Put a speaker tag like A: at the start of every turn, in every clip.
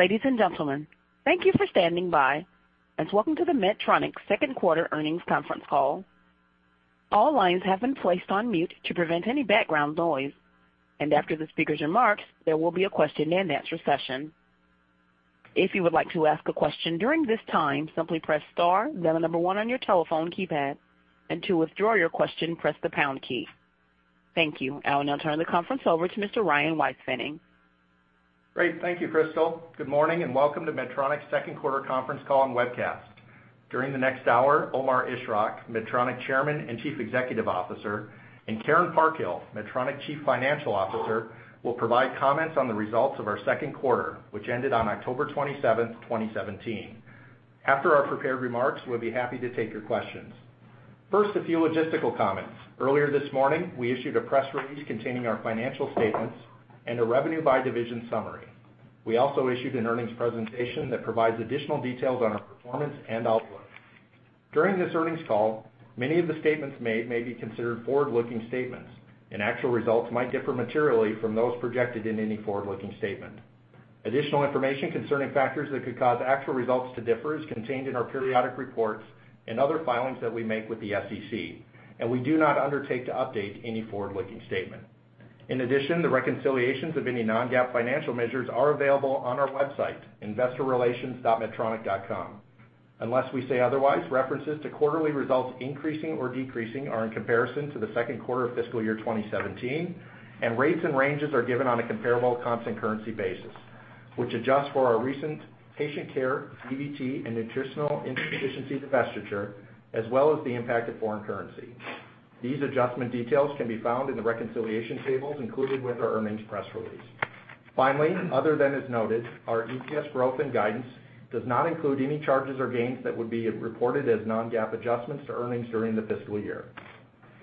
A: Ladies and gentlemen, thank you for standing by and welcome to the Medtronic second quarter earnings conference call. All lines have been placed on mute to prevent any background noise. After the speaker's remarks, there will be a question and answer session. If you would like to ask a question during this time, simply press star then the number one on your telephone keypad. To withdraw your question, press the pound key. Thank you. I will now turn the conference over to Mr. Ryan Weispfenning.
B: Great. Thank you, Krystal. Good morning and welcome to Medtronic's second quarter conference call and webcast. During the next hour, Omar Ishrak, Medtronic Chairman and Chief Executive Officer, and Karen Parkhill, Medtronic Chief Financial Officer, will provide comments on the results of our second quarter, which ended on October 27th, 2017. After our prepared remarks, we'll be happy to take your questions. First, a few logistical comments. Earlier this morning, we issued a press release containing our financial statements and a revenue by division summary. We also issued an earnings presentation that provides additional details on our performance and outlook. During this earnings call, many of the statements made may be considered forward-looking statements. Actual results might differ materially from those projected in any forward-looking statement. Additional information concerning factors that could cause actual results to differ is contained in our periodic reports and other filings that we make with the SEC. We do not undertake to update any forward-looking statement. In addition, the reconciliations of any non-GAAP financial measures are available on our website, investorrelations.medtronic.com. Unless we say otherwise, references to quarterly results increasing or decreasing are in comparison to the second quarter of fiscal year 2017. Rates and ranges are given on a comparable constant currency basis, which adjusts for our recent patient care, DVT, and nutritional insufficiency divestiture, as well as the impact of foreign currency. These adjustment details can be found in the reconciliation tables included with our earnings press release. Finally, other than as noted, our EPS growth and guidance does not include any charges or gains that would be reported as non-GAAP adjustments to earnings during the fiscal year.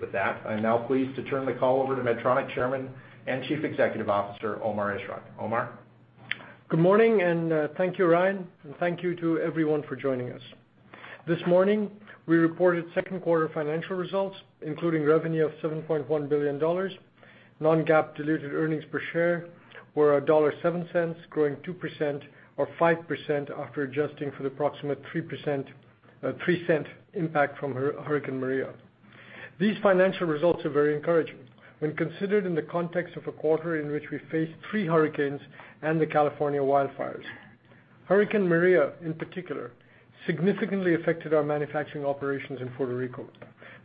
B: With that, I'm now pleased to turn the call over to Medtronic Chairman and Chief Executive Officer, Omar Ishrak. Omar?
C: Good morning, and thank you, Ryan Weispfenning, and thank you to everyone for joining us. This morning, we reported second quarter financial results, including revenue of $7.1 billion. Non-GAAP diluted earnings per share were $1.07, growing 2% or 5% after adjusting for the approximate $0.03 impact from Hurricane Maria. These financial results are very encouraging when considered in the context of a quarter in which we faced 3 hurricanes and the California wildfires. Hurricane Maria, in particular, significantly affected our manufacturing operations in Puerto Rico.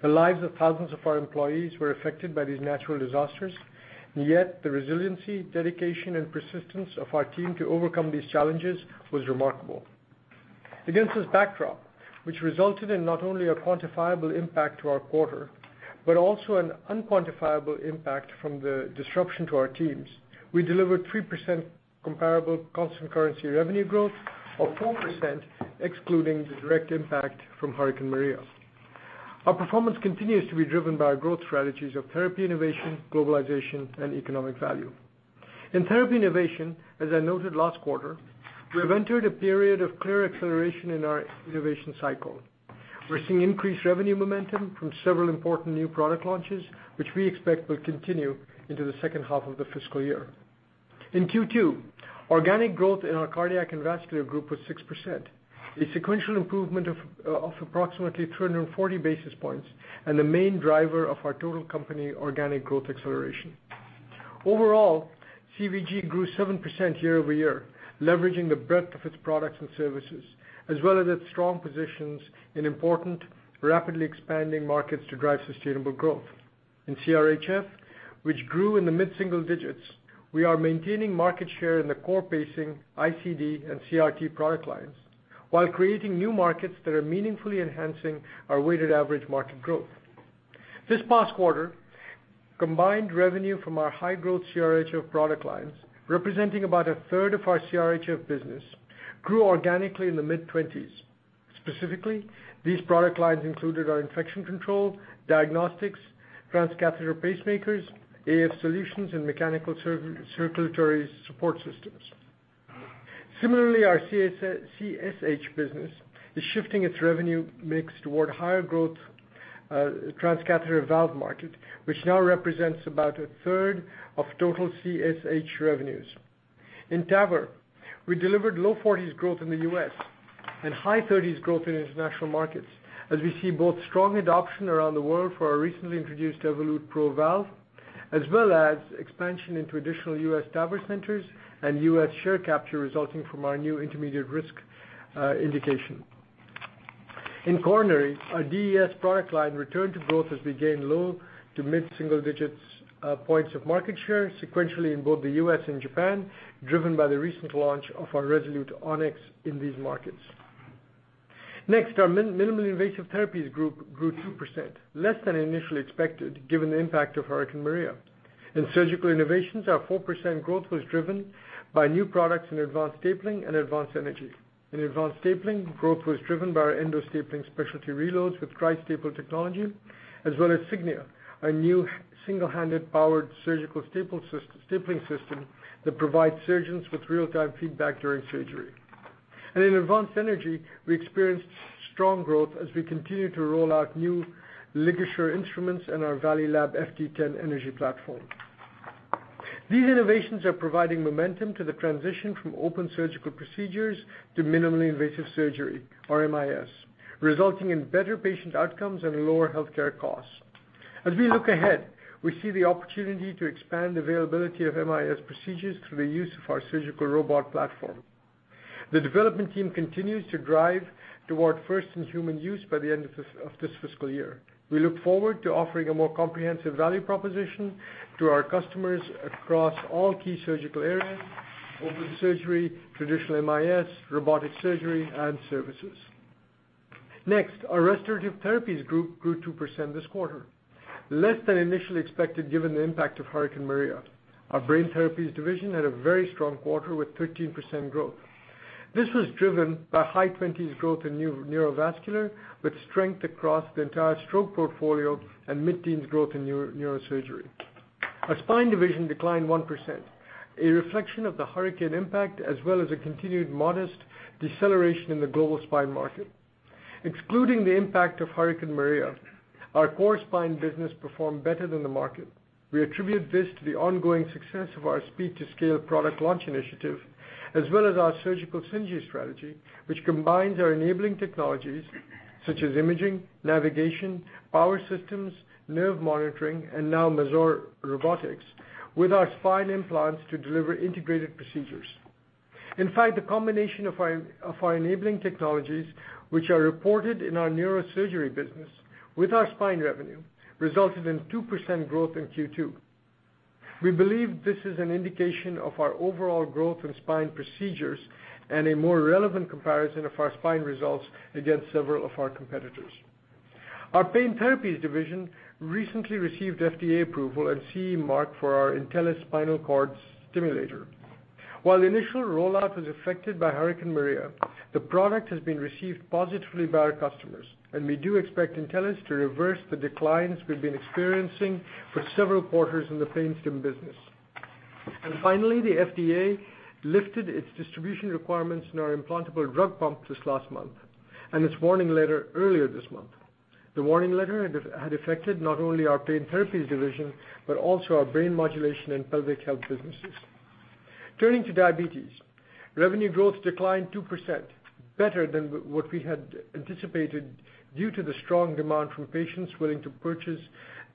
C: The lives of thousands of our employees were affected by these natural disasters, yet the resiliency, dedication, and persistence of our team to overcome these challenges was remarkable. Against this backdrop, which resulted in not only a quantifiable impact to our quarter, but also an unquantifiable impact from the disruption to our teams, we delivered 3% comparable constant currency revenue growth of 4%, excluding the direct impact from Hurricane Maria. Our performance continues to be driven by our growth strategies of therapy innovation, globalization, and economic value. In therapy innovation, as I noted last quarter, we have entered a period of clear acceleration in our innovation cycle. We are seeing increased revenue momentum from several important new product launches, which we expect will continue into the second half of the fiscal year. In Q2, organic growth in our Cardiac and Vascular Group was 6%, a sequential improvement of approximately 340 basis points and the main driver of our total company organic growth acceleration. Overall, CVG grew 7% year-over-year, leveraging the breadth of its products and services, as well as its strong positions in important, rapidly expanding markets to drive sustainable growth. In CRHF, which grew in the mid-single digits, we are maintaining market share in the core pacing, ICD, and CRT product lines while creating new markets that are meaningfully enhancing our weighted average market growth. This past quarter, combined revenue from our high-growth CRHF product lines, representing about a third of our CRHF business, grew organically in the mid-20s. Specifically, these product lines included our infection control, diagnostics, transcatheter pacemakers, AF solutions, and mechanical circulatory support systems. Similarly, our CSH business is shifting its revenue mix toward higher growth transcatheter valve market, which now represents about a third of total CSH revenues. In TAVR, we delivered low 40s growth in the U.S. and high 30s growth in international markets as we see both strong adoption around the world for our recently introduced Evolut PRO valve, as well as expansion into additional U.S. TAVR centers and U.S. share capture resulting from our new intermediate risk indication. In coronary, our DES product line returned to growth as we gained low to mid-single digits points of market share sequentially in both the U.S. and Japan, driven by the recent launch of our Resolute Onyx in these markets. Our Minimally Invasive Therapies Group grew 2%, less than initially expected given the impact of Hurricane Maria. In surgical innovations, our 4% growth was driven by new products in advanced stapling and advanced energy. In advanced stapling, growth was driven by our endostapling specialty reloads with Tri-Staple technology, as well as Signia, a new single-handed powered surgical stapling system that provides surgeons with real-time feedback during surgery. In advanced energy, we experienced strong growth as we continue to roll out new LigaSure instruments and our Valleylab FT10 energy platform. These innovations are providing momentum to the transition from open surgical procedures to minimally invasive surgery, or MIS, resulting in better patient outcomes and lower healthcare costs. As we look ahead, we see the opportunity to expand availability of MIS procedures through the use of our surgical robot platform. The development team continues to drive toward first human use by the end of this fiscal year. We look forward to offering a more comprehensive value proposition to our customers across all key surgical areas, open surgery, traditional MIS, robotic surgery, and services. Next, our Restorative Therapies Group grew 2% this quarter, less than initially expected given the impact of Hurricane Maria. Our brain therapies division had a very strong quarter with 13% growth. This was driven by high twenties growth in neurovascular, with strength across the entire stroke portfolio and mid-teens growth in neurosurgery. Our spine division declined 1%, a reflection of the hurricane impact as well as a continued modest deceleration in the global spine market. Excluding the impact of Hurricane Maria, our core spine business performed better than the market. We attribute this to the ongoing success of our speed-to-scale product launch initiative, as well as our surgical synergy strategy, which combines our enabling technologies such as imaging, navigation, power systems, nerve monitoring, and now Mazor Robotics, with our spine implants to deliver integrated procedures. In fact, the combination of our enabling technologies, which are reported in our neurosurgery business with our spine revenue, resulted in 2% growth in Q2. We believe this is an indication of our overall growth in spine procedures and a more relevant comparison of our spine results against several of our competitors. Our pain therapies division recently received FDA approval and CE Mark for our Intellis spinal cord stimulator. While initial rollout was affected by Hurricane Maria, the product has been received positively by our customers, and we do expect Intellis to reverse the declines we've been experiencing for several quarters in the pain stim business. Finally, the FDA lifted its distribution requirements in our implantable drug pump this last month, and its warning letter earlier this month. The warning letter had affected not only our pain therapies division, but also our brain modulation and pelvic health businesses. Turning to diabetes, revenue growth declined 2%, better than what we had anticipated due to the strong demand from patients willing to purchase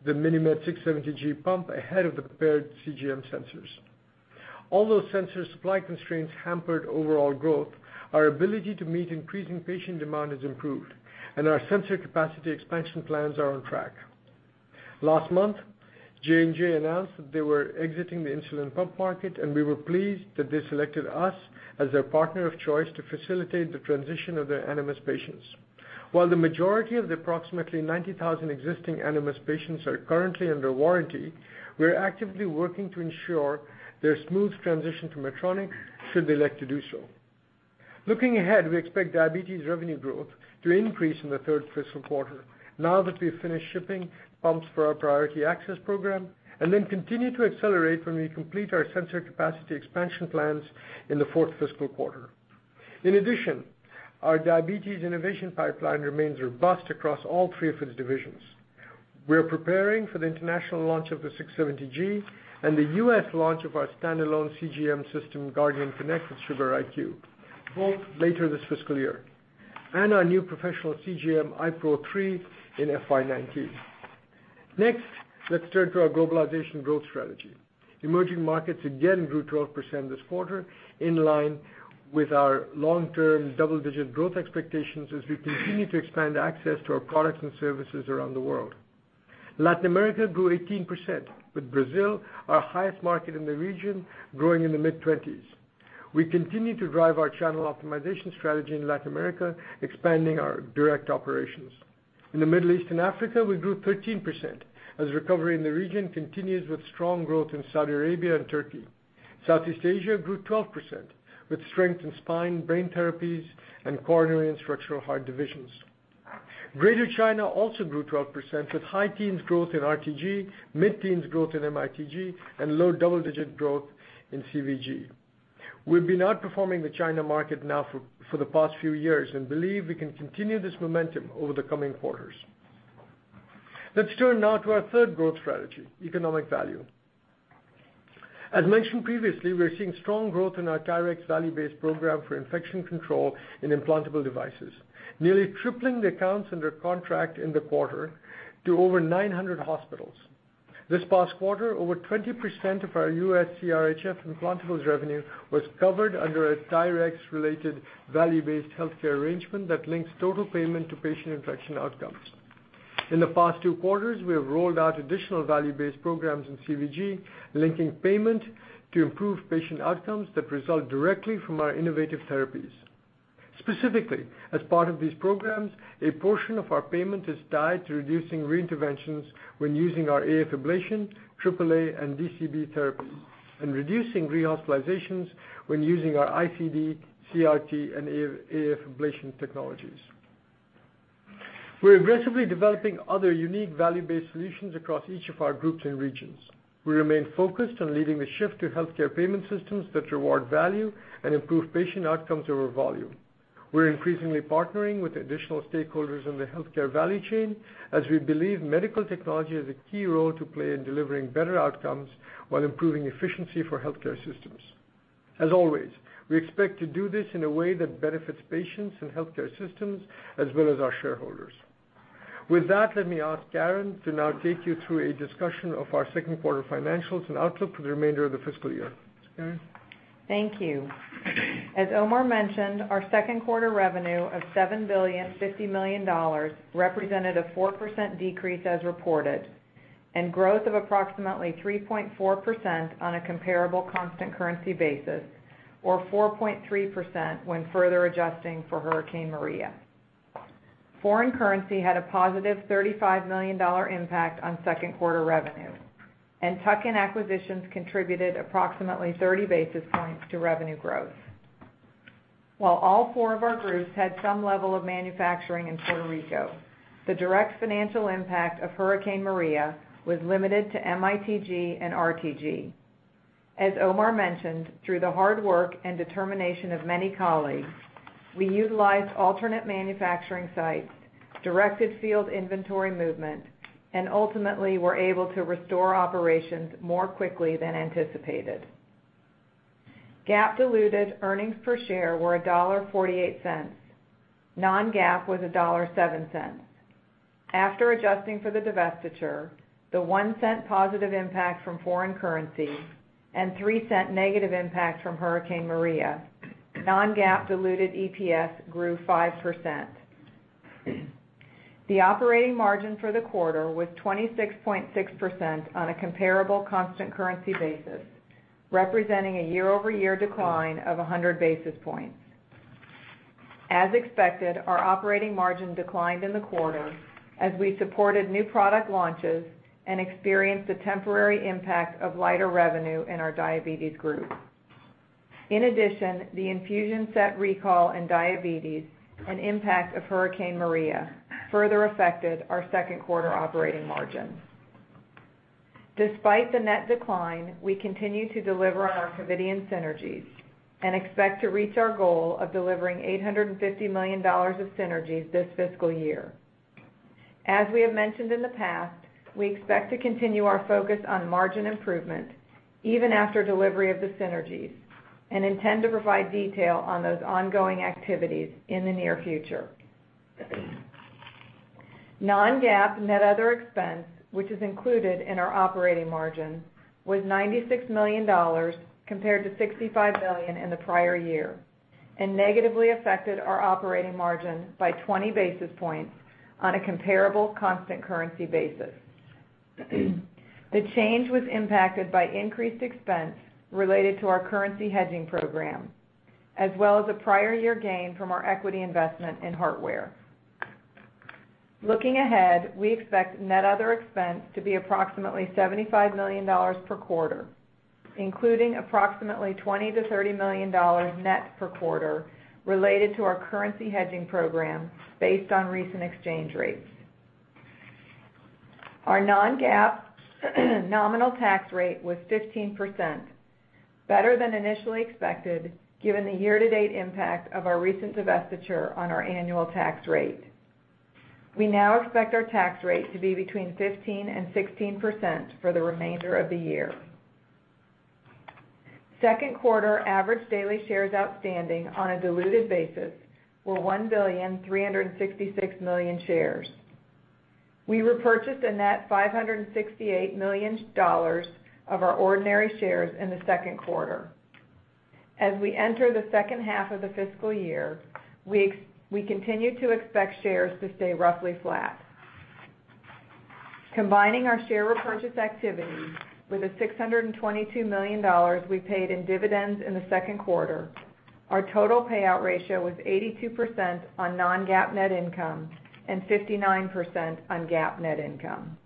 C: the MiniMed 670G pump ahead of the paired CGM sensors. Although sensor supply constraints hampered overall growth, our ability to meet increasing patient demand has improved, and our sensor capacity expansion plans are on track. Last month, J&J announced that they were exiting the insulin pump market, and we were pleased that they selected us as their partner of choice to facilitate the transition of their Animas patients. While the majority of the approximately 90,000 existing Animas patients are currently under warranty, we're actively working to ensure their smooth transition to Medtronic, should they elect to do so. Looking ahead, we expect diabetes revenue growth to increase in the third fiscal quarter now that we've finished shipping pumps for our priority access program, then continue to accelerate when we complete our sensor capacity expansion plans in the fourth fiscal quarter. In addition, our diabetes innovation pipeline remains robust across all three of its divisions. We are preparing for the international launch of the 670G and the U.S. launch of our standalone CGM system, Guardian Connect with Sugar.IQ, both later this fiscal year, and our new professional CGM iPro2 in FY 2019. Let's turn to our globalization growth strategy. Emerging markets again grew 12% this quarter, in line with our long-term double-digit growth expectations as we continue to expand access to our products and services around the world. Latin America grew 18%, with Brazil, our highest market in the region, growing in the mid-20s. We continue to drive our channel optimization strategy in Latin America, expanding our direct operations. In the Middle East and Africa, we grew 13% as recovery in the region continues with strong growth in Saudi Arabia and Turkey. Southeast Asia grew 12%, with strength in spine, brain therapies, and coronary and structural heart divisions. Greater China also grew 12%, with high teens growth in RTG, mid-teens growth in MITG, and low double-digit growth in CVG. We've been outperforming the China market now for the past few years and believe we can continue this momentum over the coming quarters. Let's turn now to our third growth strategy, economic value. As mentioned previously, we're seeing strong growth in our DIREX value-based program for infection control in implantable devices, nearly tripling the accounts under contract in the quarter to over 900 hospitals. This past quarter, over 20% of our U.S. CRHF implantables revenue was covered under a DIREX-related value-based healthcare arrangement that links total payment to patient infection outcomes. In the past two quarters, we have rolled out additional value-based programs in CVG, linking payment to improved patient outcomes that result directly from our innovative therapies. Specifically, as part of these programs, a portion of our payment is tied to reducing reinterventions when using our AF ablation, AAA, and DCB therapies, and reducing rehospitalizations when using our ICD, CRT, and AF ablation technologies. We're aggressively developing other unique value-based solutions across each of our groups and regions. We remain focused on leading the shift to healthcare payment systems that reward value and improve patient outcomes over volume. We're increasingly partnering with additional stakeholders in the healthcare value chain as we believe medical technology has a key role to play in delivering better outcomes while improving efficiency for healthcare systems. As always, we expect to do this in a way that benefits patients and healthcare systems as well as our shareholders. With that, let me ask Karen to now take you through a discussion of our second quarter financials and outlook for the remainder of the fiscal year. Karen.
D: Thank you. As Omar mentioned, our second quarter revenue of $7,050,000,000 represented a 4% decrease as reported and growth of approximately 3.4% on a comparable constant currency basis or 4.3% when further adjusting for Hurricane Maria. Foreign currency had a positive $35 million impact on second quarter revenue, and tuck-in acquisitions contributed approximately 30 basis points to revenue growth. While all four of our groups had some level of manufacturing in Puerto Rico, the direct financial impact of Hurricane Maria was limited to MITG and RTG. As Omar mentioned, through the hard work and determination of many colleagues, we utilized alternate manufacturing sites, directed field inventory movement, and ultimately were able to restore operations more quickly than anticipated. GAAP diluted earnings per share were $1.48. Non-GAAP was $1.07. After adjusting for the divestiture, the $0.01 positive impact from foreign currency and $0.03 negative impact from Hurricane Maria, non-GAAP diluted EPS grew 5%. The operating margin for the quarter was 26.6% on a comparable constant currency basis, representing a year-over-year decline of 100 basis points. As expected, our operating margin declined in the quarter as we supported new product launches and experienced the temporary impact of lighter revenue in our diabetes group. In addition, the infusion set recall in diabetes and impact of Hurricane Maria further affected our second quarter operating margins. Despite the net decline, we continue to deliver on our Covidien synergies and expect to reach our goal of delivering $850 million of synergies this fiscal year. As we have mentioned in the past, we expect to continue our focus on margin improvement even after delivery of the synergies and intend to provide detail on those ongoing activities in the near future. Non-GAAP net other expense, which is included in our operating margin, was $96 million compared to $65 million in the prior year and negatively affected our operating margin by 20 basis points on a comparable constant currency basis. The change was impacted by increased expense related to our currency hedging program, as well as a prior year gain from our equity investment in HeartWare. Looking ahead, we expect net other expense to be approximately $75 million per quarter, including approximately $20 million-$30 million net per quarter related to our currency hedging program based on recent exchange rates. Our non-GAAP nominal tax rate was 15%, better than initially expected given the year-to-date impact of our recent divestiture on our annual tax rate. We now expect our tax rate to be between 15% and 16% for the remainder of the year. Second quarter average daily shares outstanding on a diluted basis were 1,366,000,000 shares. We repurchased a net $568 million of our ordinary shares in the second quarter. As we enter the second half of the fiscal year, we continue to expect shares to stay roughly flat. Combining our share repurchase activity with the $622 million we paid in dividends in the second quarter, our total payout ratio was 82% on non-GAAP net income and 59% on GAAP net income.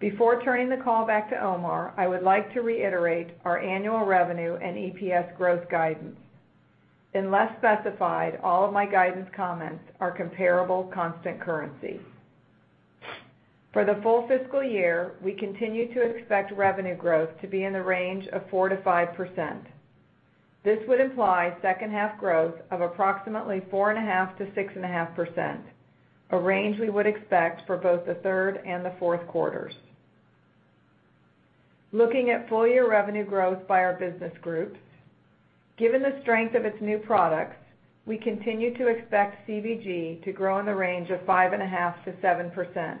D: Before turning the call back to Omar, I would like to reiterate our annual revenue and EPS growth guidance. Unless specified, all of my guidance comments are comparable constant currency. For the full fiscal year, we continue to expect revenue growth to be in the range of 4%-5%. This would imply second half growth of approximately 4.5%-6.5%, a range we would expect for both the third and the fourth quarters. Looking at full year revenue growth by our business groups, given the strength of its new products, we continue to expect CVG to grow in the range of 5.5%-7%,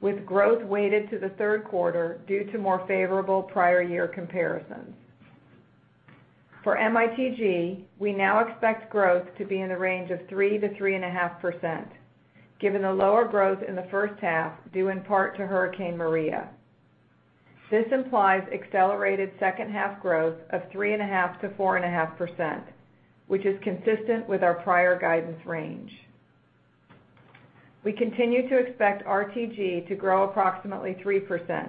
D: with growth weighted to the third quarter due to more favorable prior year comparisons. For MITG, we now expect growth to be in the range of 3%-3.5%, given the lower growth in the first half due in part to Hurricane Maria. This implies accelerated second half growth of 3.5%-4.5%, which is consistent with our prior guidance range. We continue to expect RTG to grow approximately 3%.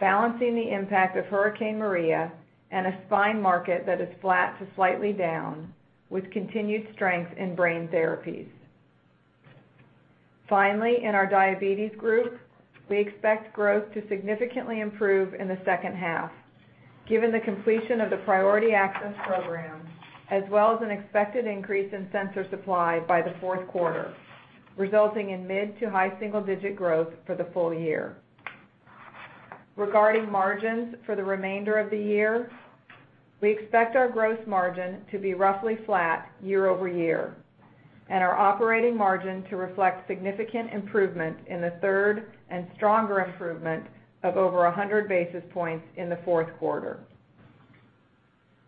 D: Balancing the impact of Hurricane Maria and a spine market that is flat to slightly down with continued strength in brain therapies. Finally, in our diabetes group, we expect growth to significantly improve in the second half, given the completion of the priority access program, as well as an expected increase in sensor supply by the fourth quarter, resulting in mid to high single-digit growth for the full year. Regarding margins for the remainder of the year, we expect our growth margin to be roughly flat year-over-year, and our operating margin to reflect significant improvement in the third and stronger improvement of over 100 basis points in the fourth quarter.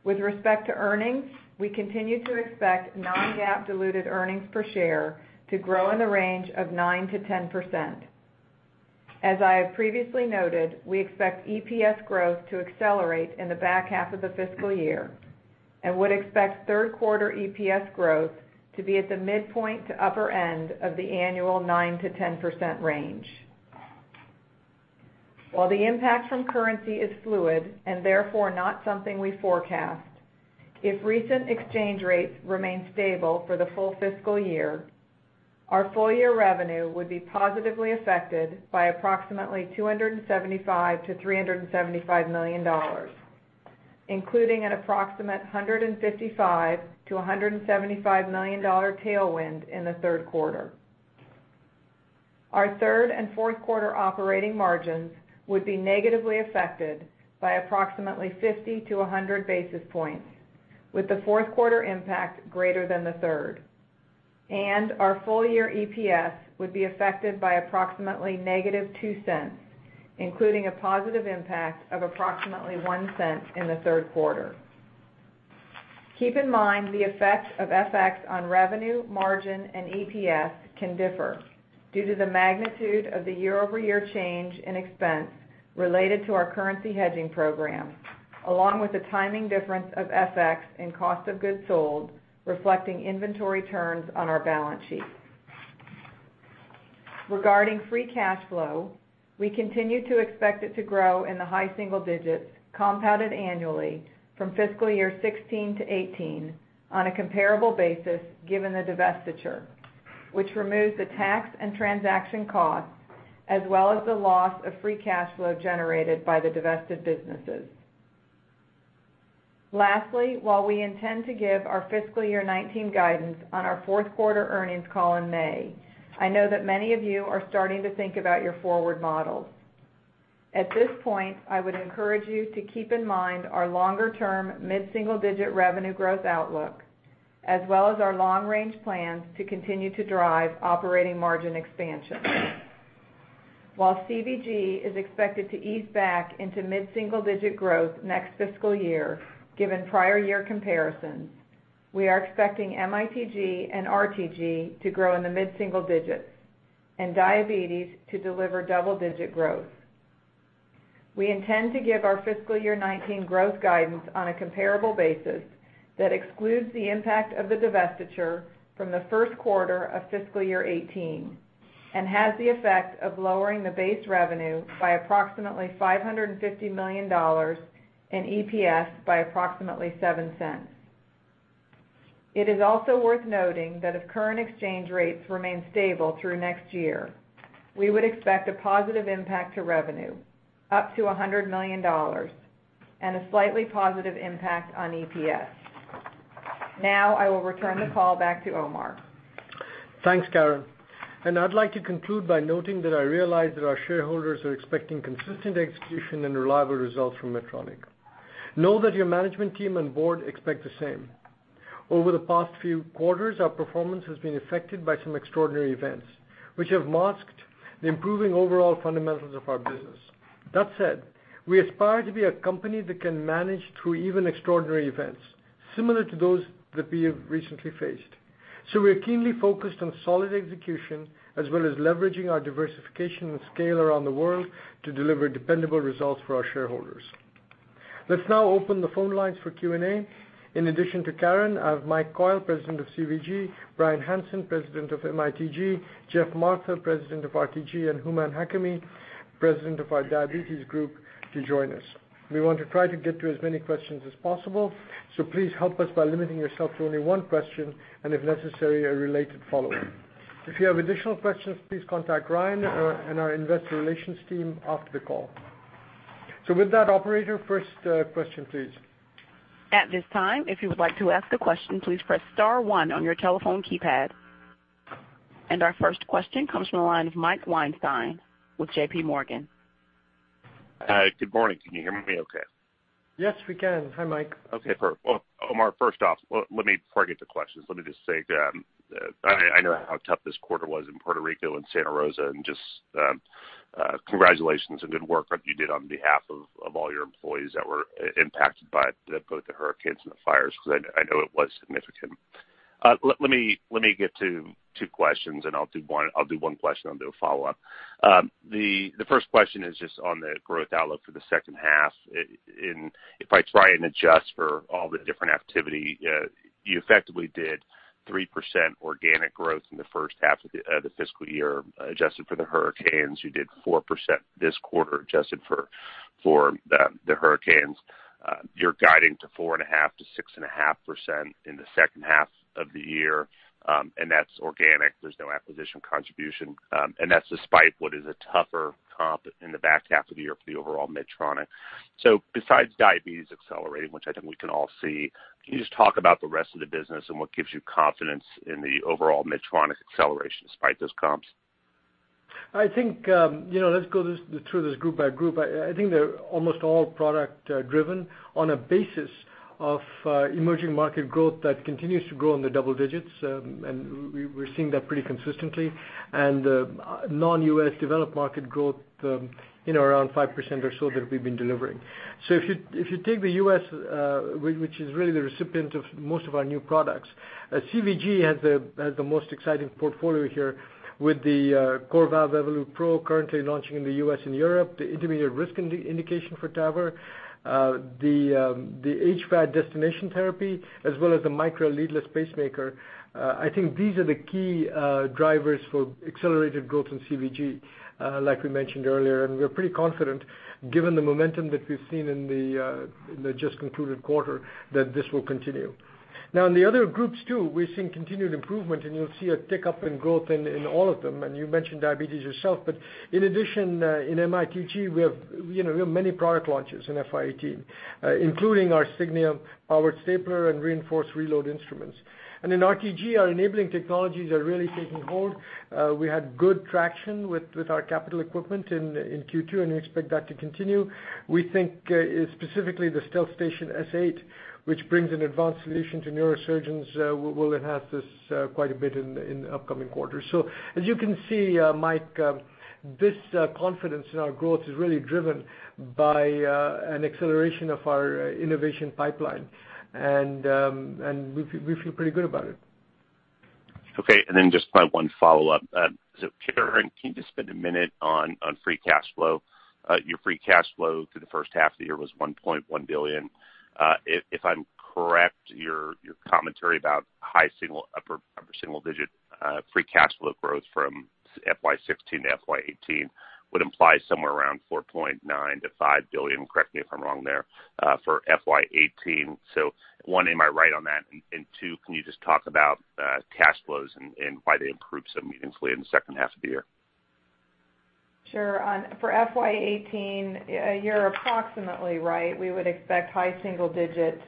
D: With respect to earnings, we continue to expect non-GAAP diluted earnings per share to grow in the range of 9%-10%. As I have previously noted, we expect EPS growth to accelerate in the back half of the fiscal year and would expect third quarter EPS growth to be at the midpoint to upper end of the annual 9%-10% range. While the impact from currency is fluid and therefore not something we forecast, if recent exchange rates remain stable for the full fiscal year, our full year revenue would be positively affected by approximately $275 million-$375 million, including an approximate $155 million-$175 million tailwind in the third quarter. Our third and fourth quarter operating margins would be negatively affected by approximately 50-100 basis points, with the fourth quarter impact greater than the third. Our full-year EPS would be affected by approximately negative $0.02, including a positive impact of approximately $0.01 in the third quarter. Keep in mind the effect of FX on revenue, margin and EPS can differ due to the magnitude of the year-over-year change in expense related to our currency hedging program, along with the timing difference of FX and cost of goods sold, reflecting inventory turns on our balance sheet. Regarding free cash flow, we continue to expect it to grow in the high single digits, compounded annually from fiscal year 2016-2018 on a comparable basis, given the divestiture, which removes the tax and transaction costs, as well as the loss of free cash flow generated by the divested businesses. Lastly, while we intend to give our fiscal year 2019 guidance on our fourth quarter earnings call in May, I know that many of you are starting to think about your forward models. At this point, I would encourage you to keep in mind our longer-term mid-single-digit revenue growth outlook, as well as our long-range plans to continue to drive operating margin expansion. While CVG is expected to ease back into mid-single-digit growth next fiscal year, given prior year comparisons, we are expecting MITG and RTG to grow in the mid-single digits and diabetes to deliver double-digit growth. We intend to give our FY 2019 growth guidance on a comparable basis that excludes the impact of the divestiture from the first quarter of FY 2018 and has the effect of lowering the base revenue by approximately $550 million and EPS by approximately $0.07. It is also worth noting that if current exchange rates remain stable through next year, we would expect a positive impact to revenue up to $100 million and a slightly positive impact on EPS. I will return the call back to Omar.
C: Thanks, Karen. I'd like to conclude by noting that I realize that our shareholders are expecting consistent execution and reliable results from Medtronic. Know that your management team and board expect the same. Over the past few quarters, our performance has been affected by some extraordinary events, which have masked the improving overall fundamentals of our business. That said, we aspire to be a company that can manage through even extraordinary events, similar to those that we have recently faced. We are keenly focused on solid execution, as well as leveraging our diversification and scale around the world to deliver dependable results for our shareholders. Let's now open the phone lines for Q&A. In addition to Karen, I have Michael Coyle, President of CVG, Bryan Hanson, President of MITG, Geoff Martha, President of RTG, and Hooman Hakami, President of our Diabetes Group to join us. We want to try to get to as many questions as possible, so please help us by limiting yourself to only one question and if necessary, a related follow-up. If you have additional questions, please contact Ryan and our Investor Relations team after the call. With that, operator, first question please.
A: At this time, if you would like to ask a question, please press star one on your telephone keypad. Our first question comes from the line of Michael Weinstein with JPMorgan.
E: Hi. Good morning. Can you hear me okay?
C: Yes, we can. Hi, Mike.
E: Okay, perfect. Well, Omar, first off, before I get to questions, let me just say that I know how tough this quarter was in Puerto Rico and Santa Rosa, and just congratulations and good work you did on behalf of all your employees that were impacted by both the hurricanes and the fires, because I know it was significant. Let me get to two questions. I'll do one question, I'll do a follow-up. The first question is just on the growth outlook for the second half. If I try and adjust for all the different activity, you effectively did 3% organic growth in the first half of the fiscal year adjusted for the hurricanes. You did 4% this quarter adjusted for the hurricanes. You're guiding to 4.5%-6.5% in the second half of the year, that's organic. There's no acquisition contribution, and that's despite what is a tougher comp in the back half of the year for the overall Medtronic. Besides diabetes accelerating, which I think we can all see, can you just talk about the rest of the business and what gives you confidence in the overall Medtronic acceleration despite those comps?
C: I think, let's go through this group by group. I think they're almost all product-driven on a basis of emerging market growth that continues to grow in the double digits, and we're seeing that pretty consistently. Non-U.S. developed market growth around 5% or so that we've been delivering. If you take the U.S., which is really the recipient of most of our new products, CVG has the most exciting portfolio here with the CoreValve Evolut PRO currently launching in the U.S. and Europe, the intermediate risk indication for TAVR, the HVAD destination therapy, as well as the Micra Leadless Pacemaker. I think these are the key drivers for accelerated growth in CVG, like we mentioned earlier. We're pretty confident given the momentum that we've seen in the just concluded quarter that this will continue. In the other groups, too, we're seeing continued improvement, and you'll see a tick-up in growth in all of them, and you mentioned diabetes yourself. In addition, in MITG, we have many product launches in FY 2018 including our Signia powered stapler and reinforced reload instruments. In RTG, our enabling technologies are really taking hold. We had good traction with our capital equipment in Q2, and we expect that to continue. We think specifically the StealthStation S8, which brings an advanced solution to neurosurgeons, will enhance this quite a bit in the upcoming quarters. As you can see, Mike, this confidence in our growth is really driven by an acceleration of our innovation pipeline. We feel pretty good about it.
E: Just my one follow-up. Karen, can you just spend a minute on free cash flow? Your free cash flow for the first half of the year was $1.1 billion. If I'm correct, your commentary about high single, upper single-digit free cash flow growth from FY 2016 to FY 2018 would imply somewhere around $4.9 billion-$5 billion, correct me if I'm wrong there, for FY 2018. One, am I right on that? Two, can you just talk about cash flows and why they improve so meaningfully in the second half of the year?
D: Sure. For FY 2018, you're approximately right. We would expect high single-digit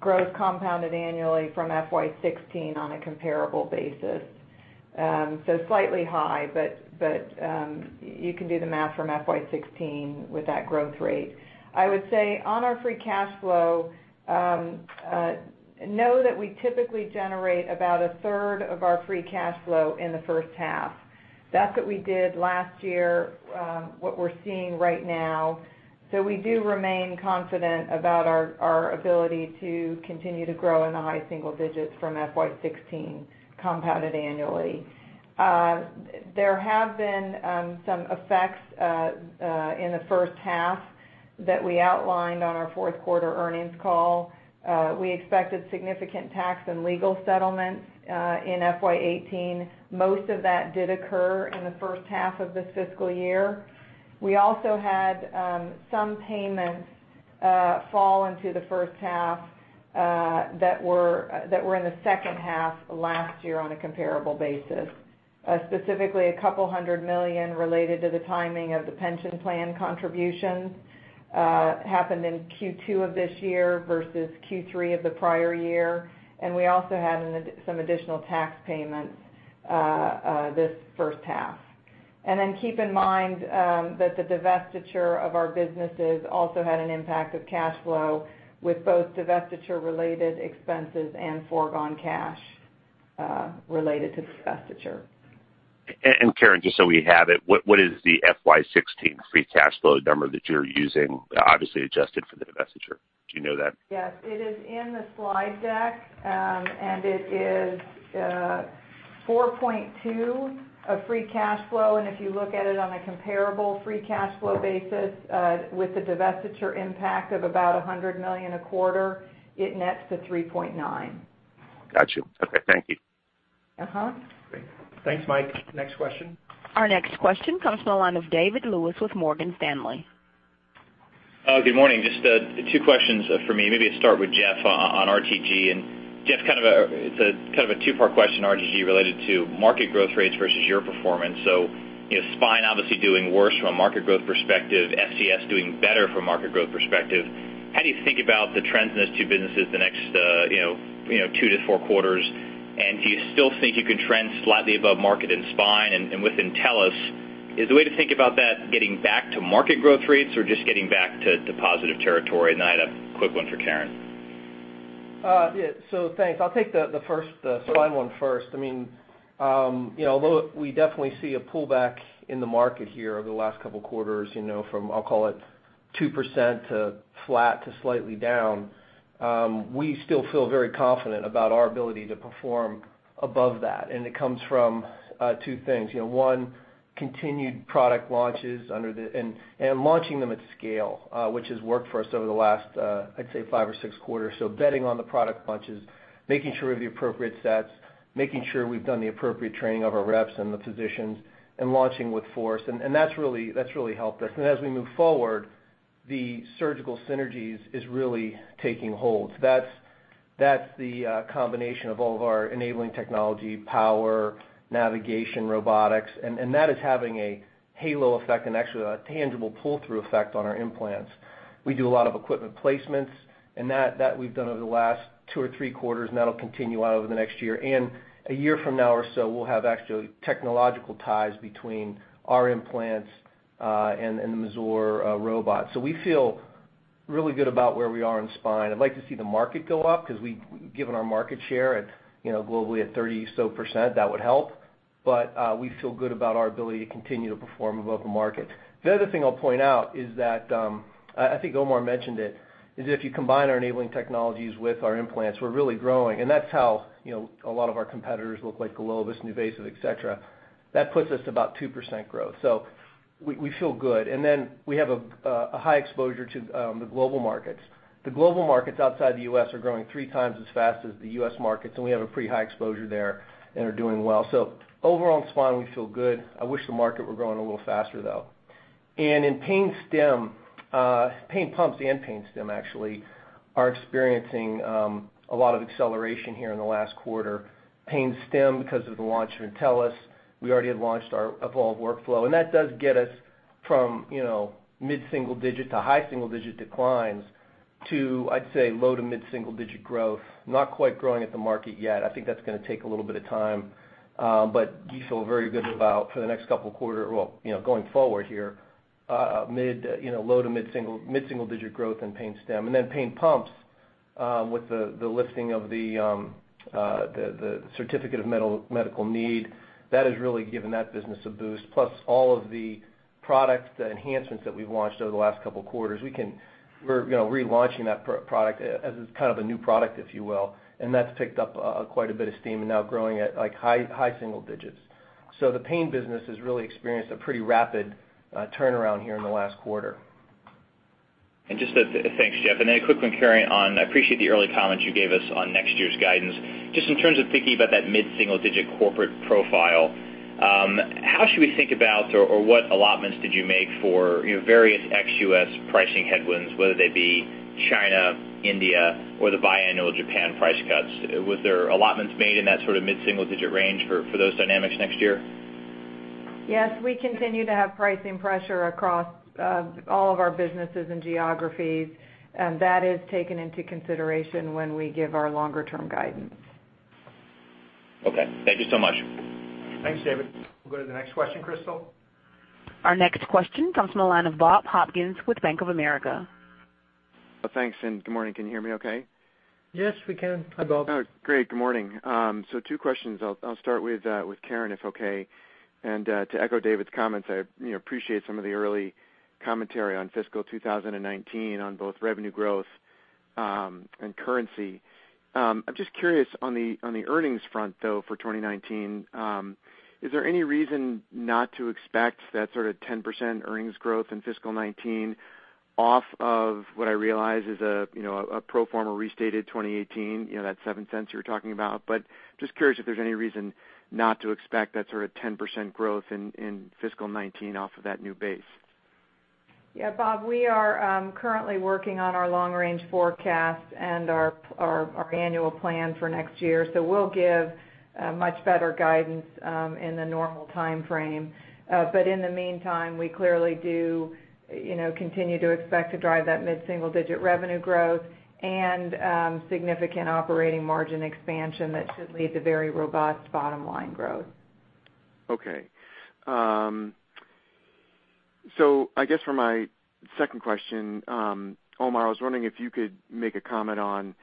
D: growth compounded annually from FY 2016 on a comparable basis. Slightly high, but you can do the math from FY 2016 with that growth rate. I would say on our free cash flow, know that we typically generate about a third of our free cash flow in the first half. That's what we did last year, what we're seeing right now. We do remain confident about our ability to continue to grow in the high single digits from FY 2016 compounded annually. There have been some effects in the first half that we outlined on our fourth-quarter earnings call. We expected significant tax and legal settlements in FY 2018. Most of that did occur in the first half of this fiscal year. We also had some payments fall into the first half that were in the second half last year on a comparable basis. Specifically, $200 million related to the timing of the pension plan contributions happened in Q2 of this year versus Q3 of the prior year. We also had some additional tax payments this first half. Keep in mind that the divestiture of our businesses also had an impact of cash flow with both divestiture-related expenses and foregone cash related to divestiture.
E: Karen, just so we have it, what is the FY 2016 free cash flow number that you're using, obviously adjusted for the divestiture? Do you know that?
D: Yes. It is in the slide deck. It is $4.2 billion of free cash flow, and if you look at it on a comparable free cash flow basis with the divestiture impact of about $100 million a quarter, it nets to $3.9 billion.
E: Got you. Okay. Thank you.
C: Great. Thanks, Mike. Next question.
A: Our next question comes from the line of David Lewis with Morgan Stanley.
F: Good morning. Just two questions for me. Maybe I start with Geoff on RTG. Geoff, it's kind of a two-part question on RTG related to market growth rates versus your performance. Spine obviously doing worse from a market growth perspective, SCS doing better from a market growth perspective. How do you think about the trends in those two businesses the next two to four quarters? Do you still think you can trend slightly above market in Spine? With Intellis, is the way to think about that getting back to market growth rates or just getting back to positive territory? I had a quick one for Karen.
G: Thanks. I'll take the Spine one first. Although we definitely see a pullback in the market here over the last couple of quarters from, I'll call it, 2% to flat to slightly down, we still feel very confident about our ability to perform above that, and it comes from two things. One, continued product launches and launching them at scale, which has worked for us over the last, I'd say five or six quarters. Betting on the product launches, making sure we have the appropriate stats, making sure we have done the appropriate training of our reps and the physicians, and launching with force. That's really helped us. As we move forward, the surgical synergies is really taking hold. That's That's the combination of all of our enabling technology, power, navigation, robotics, and that is having a halo effect and actually a tangible pull-through effect on our implants. We do a lot of equipment placements and that we have done over the last two or three quarters, and that will continue out over the next year. A year from now or so, we will have actually technological ties between our implants, and the Mazor robot. We feel really good about where we are in Spine. I'd like to see the market go up because given our market share globally at 30% or so, that would help. We feel good about our ability to continue to perform above the market. The other thing I'll point out is that, I think Omar mentioned it, is if you combine our enabling technologies with our implants, we are really growing. That's how a lot of our competitors look like Globus, NuVasive, et cetera. That puts us about 2% growth. We feel good. Then we have a high exposure to the global markets. The global markets outside the U.S. are growing three times as fast as the U.S. markets, and we have a pretty high exposure there and are doing well. Overall, in Spine, we feel good. I wish the market were growing a little faster, though. In pain pumps and pain stim actually are experiencing a lot of acceleration here in the last quarter. Pain stim because of the launch of Intellis. We already had launched our Evolve Workflow, and that does get us from mid-single digit to high single-digit declines to, I'd say, low to mid-single digit growth, not quite growing at the market yet. I think that's going to take a little bit of time. We feel very good about for the next couple of quarters, well, going forward here, low to mid-single digit growth in pain stim. Then pain pumps, with the lifting of the certificate of medical need, that has really given that business a boost. Plus all of the products, the enhancements that we have launched over the last couple of quarters. We are relaunching that product as kind of a new product, if you will, and that's picked up quite a bit of steam and now growing at high single digits. The pain business has really experienced a pretty rapid turnaround here in the last quarter.
F: Thanks, Geoff. Then a quick one, Karen, I appreciate the early comments you gave us on next year's guidance. Just in terms of thinking about that mid-single digit corporate profile, how should we think about or what allotments did you make for various ex-U.S. pricing headwinds, whether they be China, India, or the biannual Japan price cuts? Was there allotments made in that sort of mid-single digit range for those dynamics next year?
D: Yes, we continue to have pricing pressure across all of our businesses and geographies. That is taken into consideration when we give our longer-term guidance.
F: Okay. Thank you so much.
B: Thanks, David. We'll go to the next question, Krystal.
A: Our next question comes from the line of Bob Hopkins with Bank of America.
H: Thanks, good morning. Can you hear me okay?
B: Yes, we can. Hi, Bob.
H: Great. Good morning. Two questions. I'll start with Karen, if okay. To echo David's comments, I appreciate some of the early commentary on fiscal 2019 on both revenue growth and currency. I'm just curious on the earnings front, though, for 2019, is there any reason not to expect that sort of 10% earnings growth in fiscal 2019 off of what I realize is a pro forma restated 2018, that $0.07 you were talking about? Just curious if there's any reason not to expect that sort of 10% growth in fiscal 2019 off of that new base.
D: Yeah, Bob, we are currently working on our long-range forecast and our annual plan for next year. We'll give much better guidance in the normal time frame. In the meantime, we clearly do continue to expect to drive that mid-single-digit revenue growth and significant operating margin expansion that should lead to very robust bottom-line growth.
H: Okay. I guess for my second question, Omar, I was wondering if you could make a comment on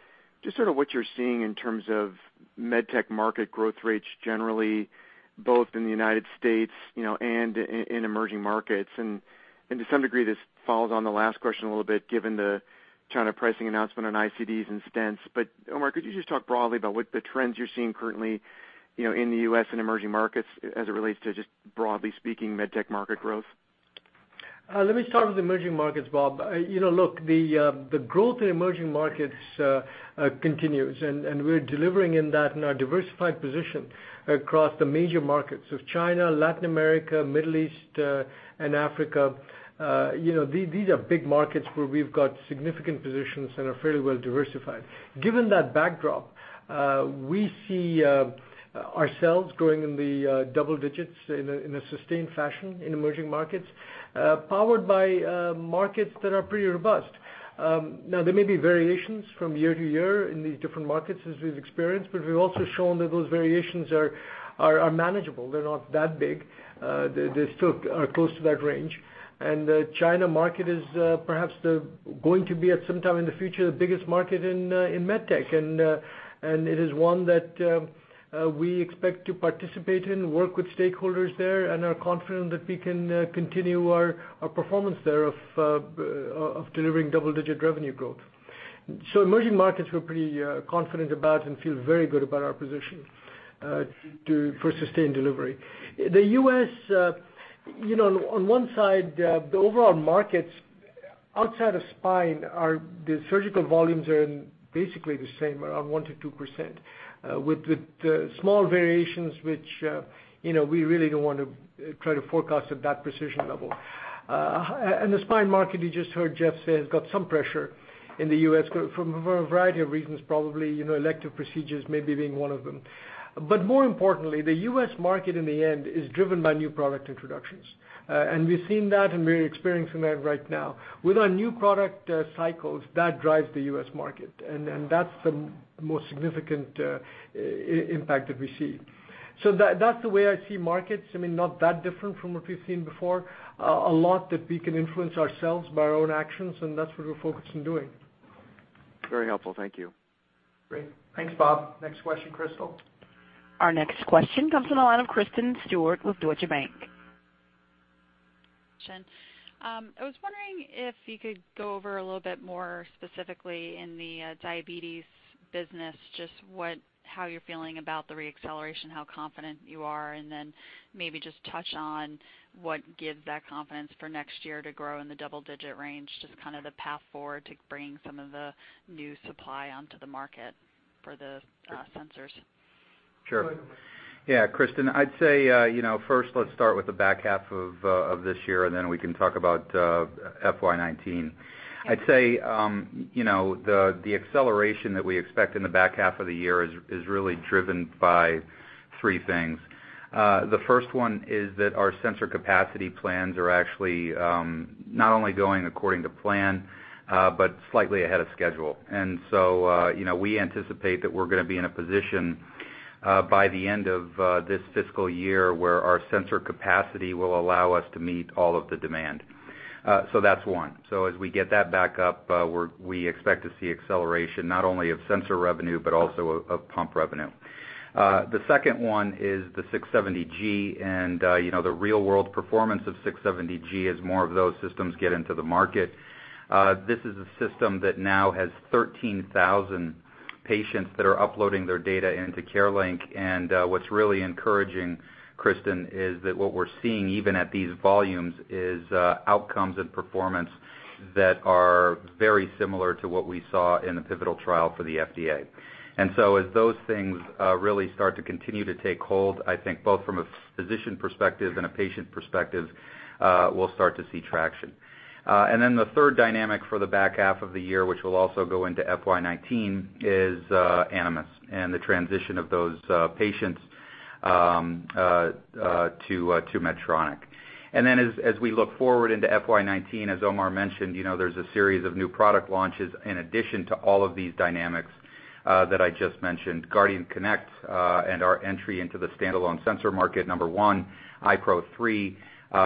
H: just sort of what you're seeing in terms of medtech market growth rates generally, both in the U.S. and in emerging markets. To some degree, this follows on the last question a little bit, given the China pricing announcement on ICDs and stents. Omar, could you just talk broadly about what the trends you're seeing currently in the U.S. and emerging markets as it relates to just broadly speaking medtech market growth?
C: Let me start with emerging markets, Bob. Look, the growth in emerging markets continues, we're delivering in that in our diversified position across the major markets of China, Latin America, Middle East, and Africa. These are big markets where we've got significant positions and are fairly well diversified. Given that backdrop, we see ourselves growing in the double-digits in a sustained fashion in emerging markets, powered by markets that are pretty robust. There may be variations from year to year in these different markets as we've experienced, we've also shown that those variations are manageable. They're not that big. They still are close to that range. The China market is perhaps going to be, at some time in the future, the biggest market in medtech. It is one that we expect to participate in, work with stakeholders there, and are confident that we can continue our performance there of delivering double-digit revenue growth. Emerging markets we're pretty confident about and feel very good about our position for sustained delivery. The U.S., on one side, the overall markets Outside of spine, the surgical volumes are basically the same, around 1%-2%, with small variations, which we really don't want to try to forecast at that precision level. The spine market, you just heard Geoff say, has got some pressure in the U.S. for a variety of reasons, probably, elective procedures maybe being one of them. More importantly, the U.S. market in the end is driven by new product introductions. We've seen that, and we're experiencing that right now. With our new product cycles, that drives the U.S. market, and that's the most significant impact that we see. That's the way I see markets. Not that different from what we've seen before. A lot that we can influence ourselves by our own actions, and that's what we're focused on doing.
H: Very helpful. Thank you.
B: Great. Thanks, Bob. Next question, Krystal.
A: Our next question comes from the line of Kristen Stewart with Deutsche Bank.
I: Kristen. I was wondering if you could go over a little bit more specifically in the diabetes business, just how you're feeling about the re-acceleration, how confident you are, then maybe just touch on what gives that confidence for next year to grow in the double-digit range. Just the path forward to bring some of the new supply onto the market for the sensors.
C: Sure. Go ahead, Mike.
J: Yeah, Kristen, I'd say first let's start with the back half of this year, then we can talk about FY 2019. I'd say the acceleration that we expect in the back half of the year is really driven by three things. The first one is that our sensor capacity plans are actually not only going according to plan but slightly ahead of schedule. We anticipate that we're going to be in a position by the end of this fiscal year where our sensor capacity will allow us to meet all of the demand. That's one. As we get that back up we expect to see acceleration not only of sensor revenue but also of pump revenue. The second one is the 670G and the real-world performance of 670G as more of those systems get into the market. This is a system that now has 13,000 patients that are uploading their data into CareLink, what's really encouraging, Kristen, is that what we're seeing even at these volumes is outcomes and performance that are very similar to what we saw in the pivotal trial for the FDA. As those things really start to continue to take hold, I think both from a physician perspective and a patient perspective we'll start to see traction. The third dynamic for the back half of the year, which will also go into FY 2019, is Animas and the transition of those patients to Medtronic. As we look forward into FY 2019, as Omar mentioned, there's a series of new product launches in addition to all of these dynamics that I just mentioned. Guardian Connect and our entry into the standalone sensor market, number one. iPro2,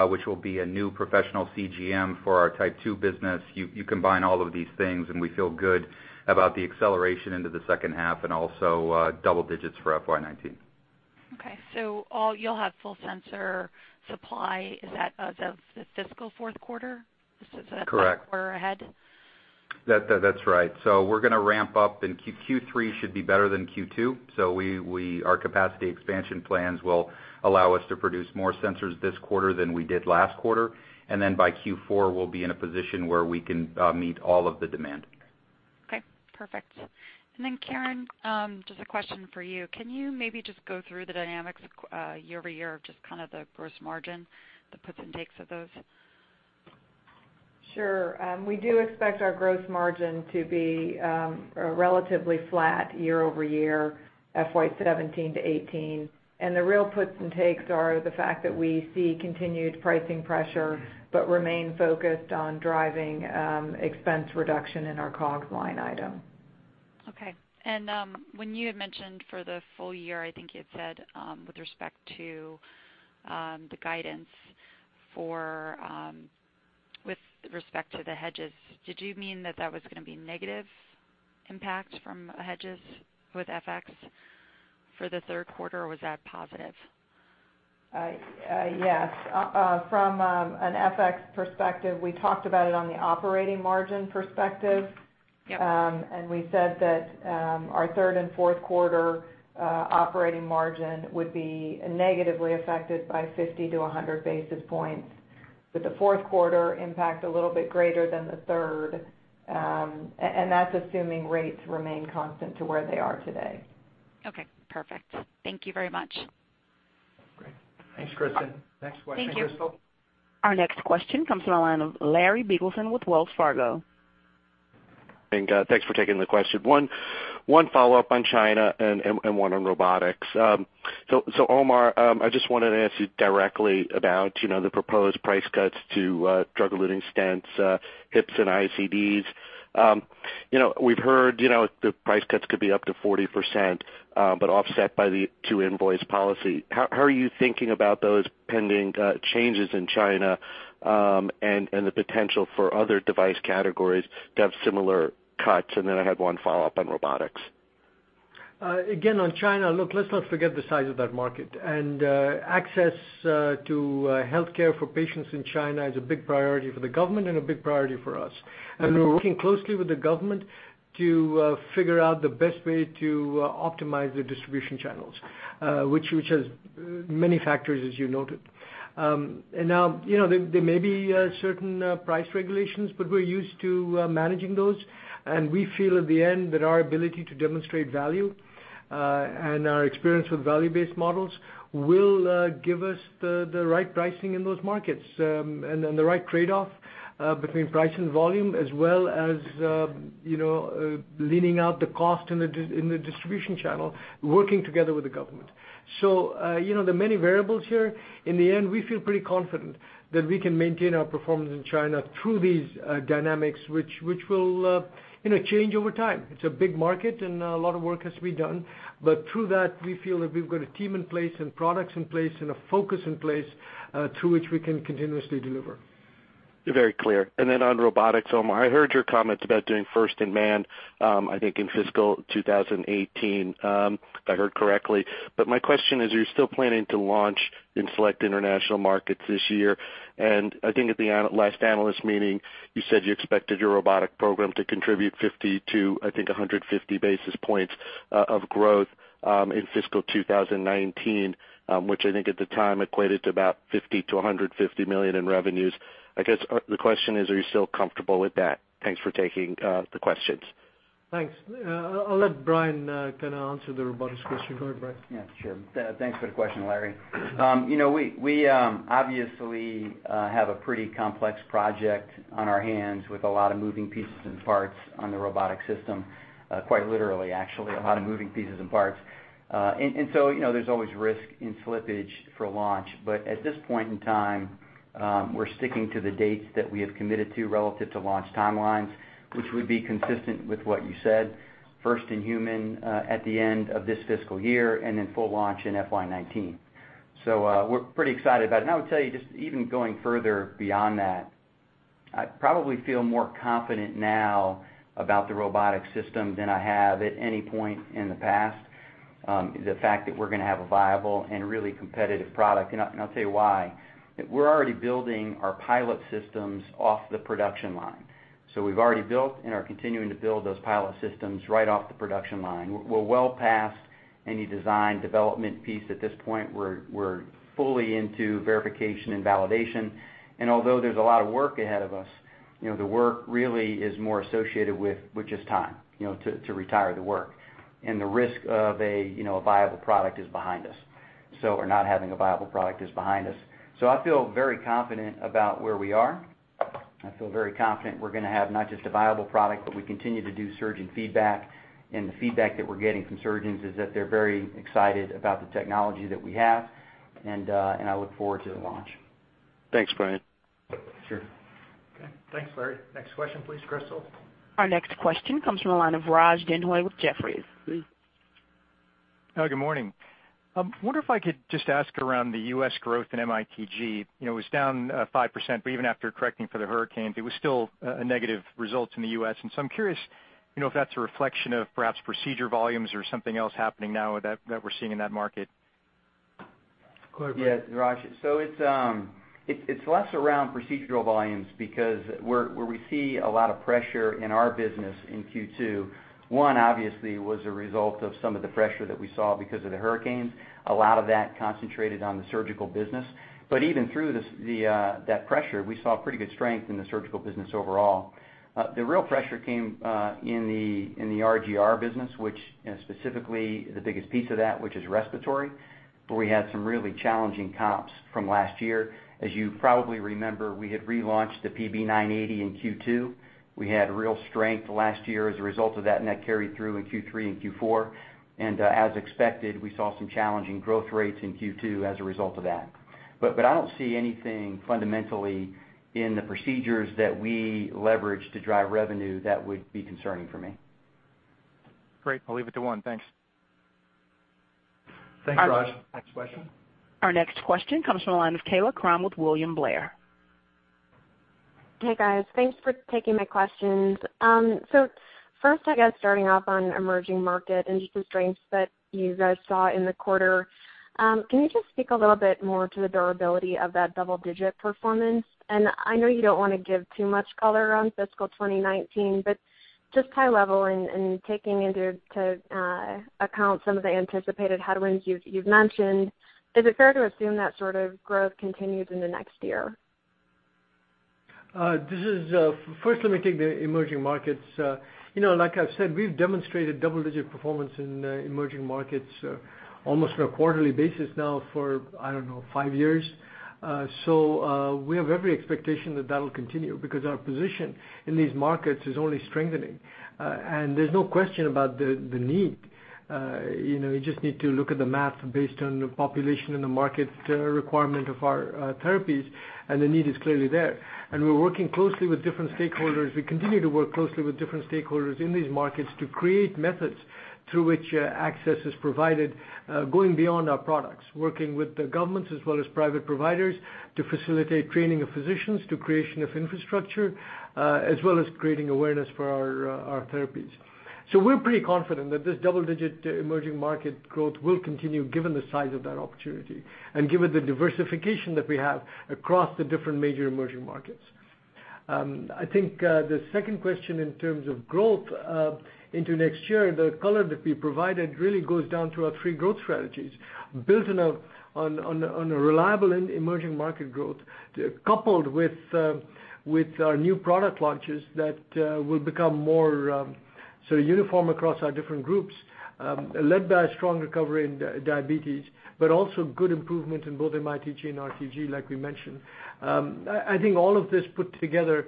J: which will be a new professional CGM for our type 2 business. You combine all of these things, we feel good about the acceleration into the second half and also double digits for FY 2019.
I: Okay, you'll have full sensor supply, is that the fiscal fourth quarter?
J: Correct.
I: Is it that quarter ahead?
J: That's right. We're going to ramp up, Q3 should be better than Q2. Our capacity expansion plans will allow us to produce more sensors this quarter than we did last quarter. By Q4, we'll be in a position where we can meet all of the demand.
I: Okay, perfect. Karen, just a question for you. Can you maybe just go through the dynamics year-over-year of just the gross margin, the puts and takes of those?
D: Sure. We do expect our gross margin to be relatively flat year-over-year, FY 2017 to 2018. The real puts and takes are the fact that we see continued pricing pressure but remain focused on driving expense reduction in our COGS line item.
I: Okay. When you had mentioned for the full year, I think you had said with respect to the hedges, did you mean that that was going to be negative impact from hedges with FX for the third quarter, or was that positive?
D: Yes. From an FX perspective, we talked about it on the operating margin perspective.
I: Yep.
D: We said that our third and fourth quarter operating margin would be negatively affected by 50 to 100 basis points, with the fourth quarter impact a little bit greater than the third. That's assuming rates remain constant to where they are today.
I: Okay, perfect. Thank you very much.
B: Great. Thanks, Kristen. Next question, Krystal.
A: Thank you. Our next question comes from the line of Larry Biegelsen with Wells Fargo.
K: Thanks for taking the question. One follow-up on China and one on robotics. Omar, I just wanted to ask you directly about the proposed price cuts to drug-eluting stents, hips, and ICDs. We've heard the price cuts could be up to 40% but offset by the two invoice policy. How are you thinking about those pending changes in China and the potential for other device categories to have similar cuts? Then I have one follow-up on robotics.
C: Again, on China, look, let's not forget the size of that market. Access to healthcare for patients in China is a big priority for the government and a big priority for us. We're working closely with the government to figure out the best way to optimize the distribution channels which has many factors as you noted. Now, there may be certain price regulations, but we're used to managing those. We feel at the end that our ability to demonstrate value, and our experience with value-based models will give us the right pricing in those markets, and the right trade-off between price and volume, as well as leaning out the cost in the distribution channel, working together with the government. There are many variables here. In the end, we feel pretty confident that we can maintain our performance in China through these dynamics, which will change over time. It's a big market and a lot of work has to be done. Through that, we feel that we've got a team in place and products in place, and a focus in place, through which we can continuously deliver.
K: You're very clear. On robotics, Omar, I heard your comments about doing First-in-man, I think in fiscal 2018, if I heard correctly. My question is, are you still planning to launch in select international markets this year? I think at the last analyst meeting, you said you expected your robotic program to contribute 50-150 basis points of growth in fiscal 2019, which I think at the time equated to about $50 million-$150 million in revenues. I guess the question is, are you still comfortable with that? Thanks for taking the questions.
C: Thanks. I'll let Bryan answer the robotics question. Go ahead, Bryan.
L: Yeah, sure. Thanks for the question, Larry. We obviously have a pretty complex project on our hands with a lot of moving pieces and parts on the robotic system. Quite literally, actually, a lot of moving pieces and parts. There's always risk in slippage for launch. At this point in time, we're sticking to the dates that we have committed to relative to launch timelines, which would be consistent with what you said, first in human at the end of this fiscal year, and then full launch in FY 2019. We're pretty excited about it. I would tell you, just even going further beyond that, I probably feel more confident now about the robotic system than I have at any point in the past. The fact that we're going to have a viable and really competitive product, and I'll tell you why. We're already building our pilot systems off the production line. We've already built and are continuing to build those pilot systems right off the production line. We're well past any design development piece at this point. We're fully into verification and validation. Although there's a lot of work ahead of us, the work really is more associated with just time to retire the work. The risk of a viable product is behind us. Or not having a viable product is behind us. I feel very confident about where we are. I feel very confident we're going to have not just a viable product, but we continue to do surgeon feedback. The feedback that we're getting from surgeons is that they're very excited about the technology that we have, and I look forward to the launch.
K: Thanks, Bryan.
L: Sure.
C: Okay. Thanks, Larry. Next question, please, Krystal.
A: Our next question comes from the line of Raj Denhoy with Jefferies. Please.
M: Good morning. I wonder if I could just ask around the U.S. growth in MITG. It was down 5%, but even after correcting for the hurricanes, it was still a negative result in the U.S. I'm curious if that's a reflection of perhaps procedure volumes or something else happening now that we're seeing in that market.
C: Go ahead, Bryan.
L: Yeah, Raj. It's less around procedural volumes because where we see a lot of pressure in our business in Q2, one obviously was a result of some of the pressure that we saw because of the hurricanes. A lot of that concentrated on the surgical business. Even through that pressure, we saw pretty good strength in the surgical business overall. The real pressure came in the RTG business, which specifically the biggest piece of that, which is respiratory, where we had some really challenging comps from last year. As you probably remember, we had relaunched the PB 980 in Q2. We had real strength last year as a result of that, and that carried through in Q3 and Q4. As expected, we saw some challenging growth rates in Q2 as a result of that. I don't see anything fundamentally in the procedures that we leverage to drive revenue that would be concerning for me.
M: Great. I'll leave it to one. Thanks.
C: Thanks, Raj Denhoy. Next question.
A: Our next question comes from the line of Kaila Krumm with William Blair.
N: Hey, guys. Thanks for taking my questions. First, I guess starting off on emerging market and just the strengths that you guys saw in the quarter. Can you just speak a little bit more to the durability of that double-digit performance? I know you don't want to give too much color around fiscal 2019, but just high level and taking into account some of the anticipated headwinds you've mentioned, is it fair to assume that sort of growth continues in the next year?
C: First, let me take the emerging markets. Like I've said, we've demonstrated double-digit performance in emerging markets almost on a quarterly basis now for, I don't know, five years. We have every expectation that that'll continue because our position in these markets is only strengthening. There's no question about the need. You just need to look at the math based on the population and the market requirement of our therapies, the need is clearly there. We're working closely with different stakeholders. We continue to work closely with different stakeholders in these markets to create methods through which access is provided, going beyond our products. Working with the governments as well as private providers to facilitate training of physicians to creation of infrastructure, as well as creating awareness for our therapies. We're pretty confident that this double-digit emerging market growth will continue given the size of that opportunity and given the diversification that we have across the different major emerging markets. The second question in terms of growth into next year, the color that we provided really goes down to our 3 growth strategies. Building on a reliable and emerging market growth, coupled with our new product launches that will become more uniform across our different groups, led by a strong recovery in Diabetes, but also good improvement in both MITG and RTG, like we mentioned. All of this put together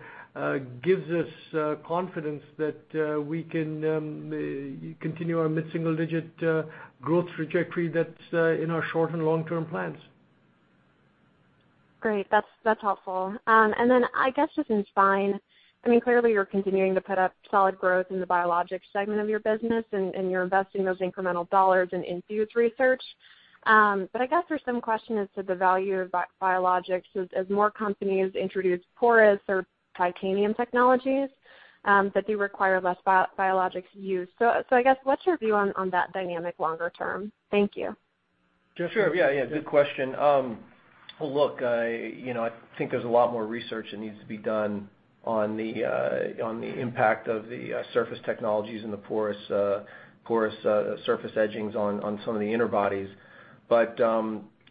C: gives us confidence that we can continue our mid-single-digit growth trajectory that's in our short and long-term plans.
N: Great. That's helpful. Then I guess just in spine, clearly you're continuing to put up solid growth in the biologics segment of your business and you're investing those incremental dollars in Infuse research. I guess there's some question as to the value of biologics as more companies introduce porous or titanium technologies that do require less biologics use. I guess, what's your view on that dynamic longer term? Thank you.
G: Sure. Yeah. Good question. Look, I think there's a lot more research that needs to be done on the impact of the surface technologies in the porous surface etchings on some of the inner bodies. We'll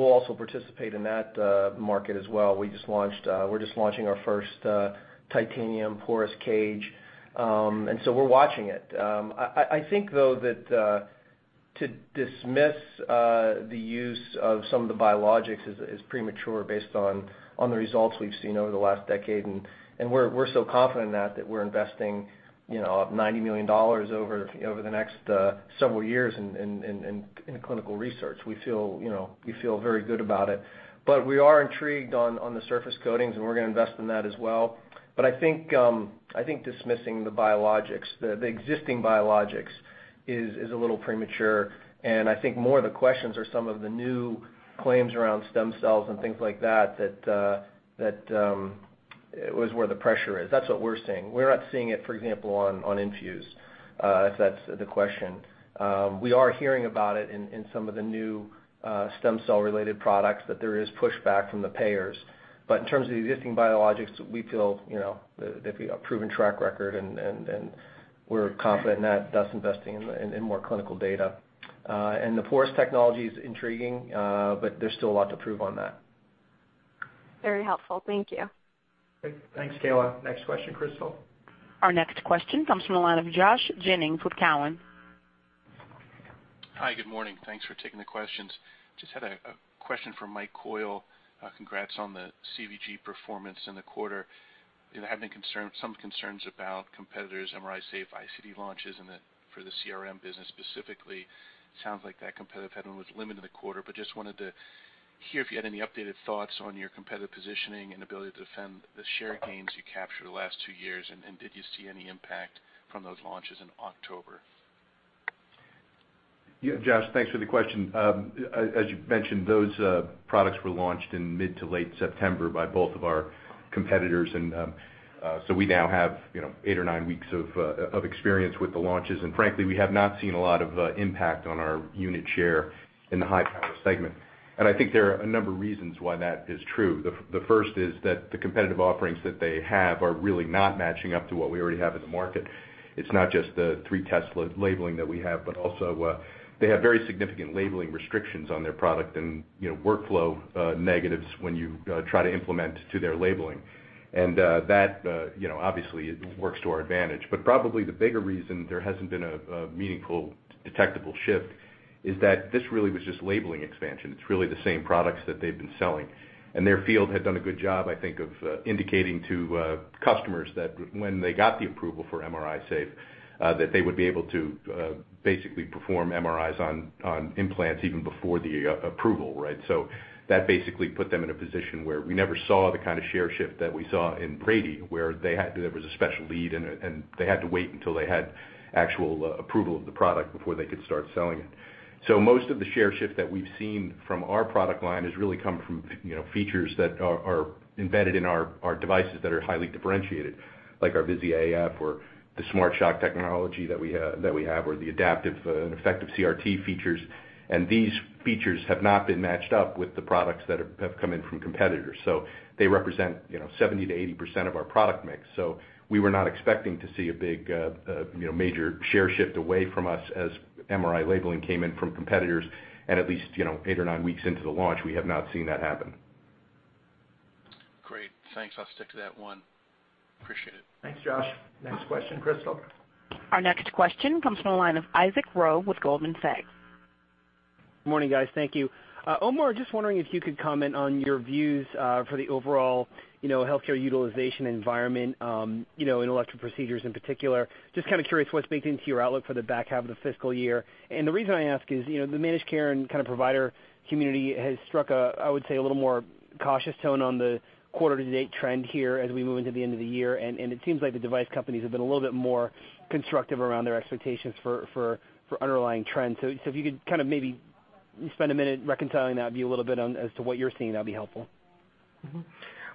G: also participate in that market as well. We're just launching our first titanium porous cage. So we're watching it. I think, though, that to dismiss the use of some of the biologics is premature based on the results we've seen over the last decade, and we're so confident in that we're investing $90 million over the next several years in clinical research. We feel very good about it. We are intrigued on the surface coatings, and we're going to invest in that as well. I think dismissing the existing biologics is a little premature, and I think more of the questions are some of the new claims around stem cells and things like that it was where the pressure is. That's what we're seeing. We're not seeing it, for example, on Infuse, if that's the question. We are hearing about it in some of the new stem cell-related products that there is pushback from the payers. In terms of the existing biologics, we feel that we have a proven track record, and we're confident in that, thus investing in more clinical data. The porous technology is intriguing, but there's still a lot to prove on that.
N: Very helpful. Thank you.
C: Great. Thanks, Kaila. Next question, Krystal.
A: Our next question comes from the line of Josh Jennings with Cowen.
O: Hi, good morning. Thanks for taking the questions. Just had a question for Michael Coyle. Congrats on the CVG performance in the quarter. There have been some concerns about competitors' MRI safe ICD launches and for the CRM business specifically. Sounds like that competitive headwind was limited in the quarter. Just wanted to hear if you had any updated thoughts on your competitive positioning and ability to defend the share gains you captured the last two years, and did you see any impact from those launches in October?
P: Yeah, Josh, thanks for the question. As you've mentioned, those products were launched in mid to late September by both of our competitors, we now have 8-9 weeks of experience with the launches, and frankly, we have not seen a lot of impact on our unit share in the high power segment. I think there are a number of reasons why that is true. The first is that the competitive offerings that they have are really not matching up to what we already have in the market. It's not just the 3 Tesla labeling that we have, but also they have very significant labeling restrictions on their product and workflow negatives when you try to implement to their labeling. That obviously works to our advantage. Probably the bigger reason there hasn't been a meaningful detectable shift is that this really was just labeling expansion. It's really the same products that they've been selling. Their field had done a good job, I think, of indicating to customers that when they got the approval for MRI safe, that they would be able to basically perform MRIs on implants even before the approval, right? That basically put them in a position where we never saw the kind of share shift that we saw in Brady, where there was a special lead, and they had to wait until they had actual approval of the product before they could start selling it.
G: Most of the share shift that we've seen from our product line has really come from features that are embedded in our devices that are highly differentiated, like our Viz.AF or the SmartShock technology that we have or the adaptive and effective CRT features. These features have not been matched up with the products that have come in from competitors. They represent 70%-80% of our product mix. We were not expecting to see a big major share shift away from us as MRI labeling came in from competitors, and at least 8-9 weeks into the launch, we have not seen that happen.
O: Great. Thanks. I'll stick to that one. Appreciate it.
C: Thanks, Josh. Next question, Krystal.
A: Our next question comes from the line of Isaac Ro with Goldman Sachs.
Q: Morning, guys. Thank you. Omar, just wondering if you could comment on your views for the overall healthcare utilization environment in electro procedures in particular. Just kind of curious what's baked into your outlook for the back half of the fiscal year. The reason I ask is, the managed care and kind of provider community has struck a, I would say, a little more cautious tone on the quarter to date trend here as we move into the end of the year, it seems like the device companies have been a little bit more constructive around their expectations for underlying trends. If you could kind of maybe spend a minute reconciling that view a little bit as to what you're seeing, that'd be helpful.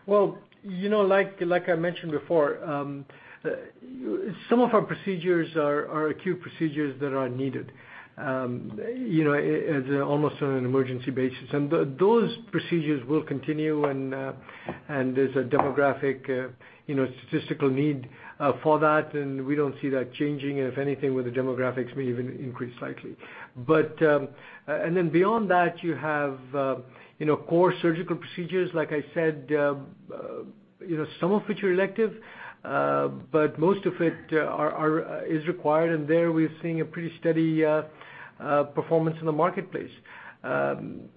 C: Well, like I mentioned before, some of our procedures are acute procedures that are needed almost on an emergency basis. Those procedures will continue, and there's a demographic statistical need for that, and we don't see that changing. If anything, with the demographics, may even increase slightly. Beyond that, you have core surgical procedures, like I said, some of which are elective but most of it is required. There we're seeing a pretty steady performance in the marketplace. In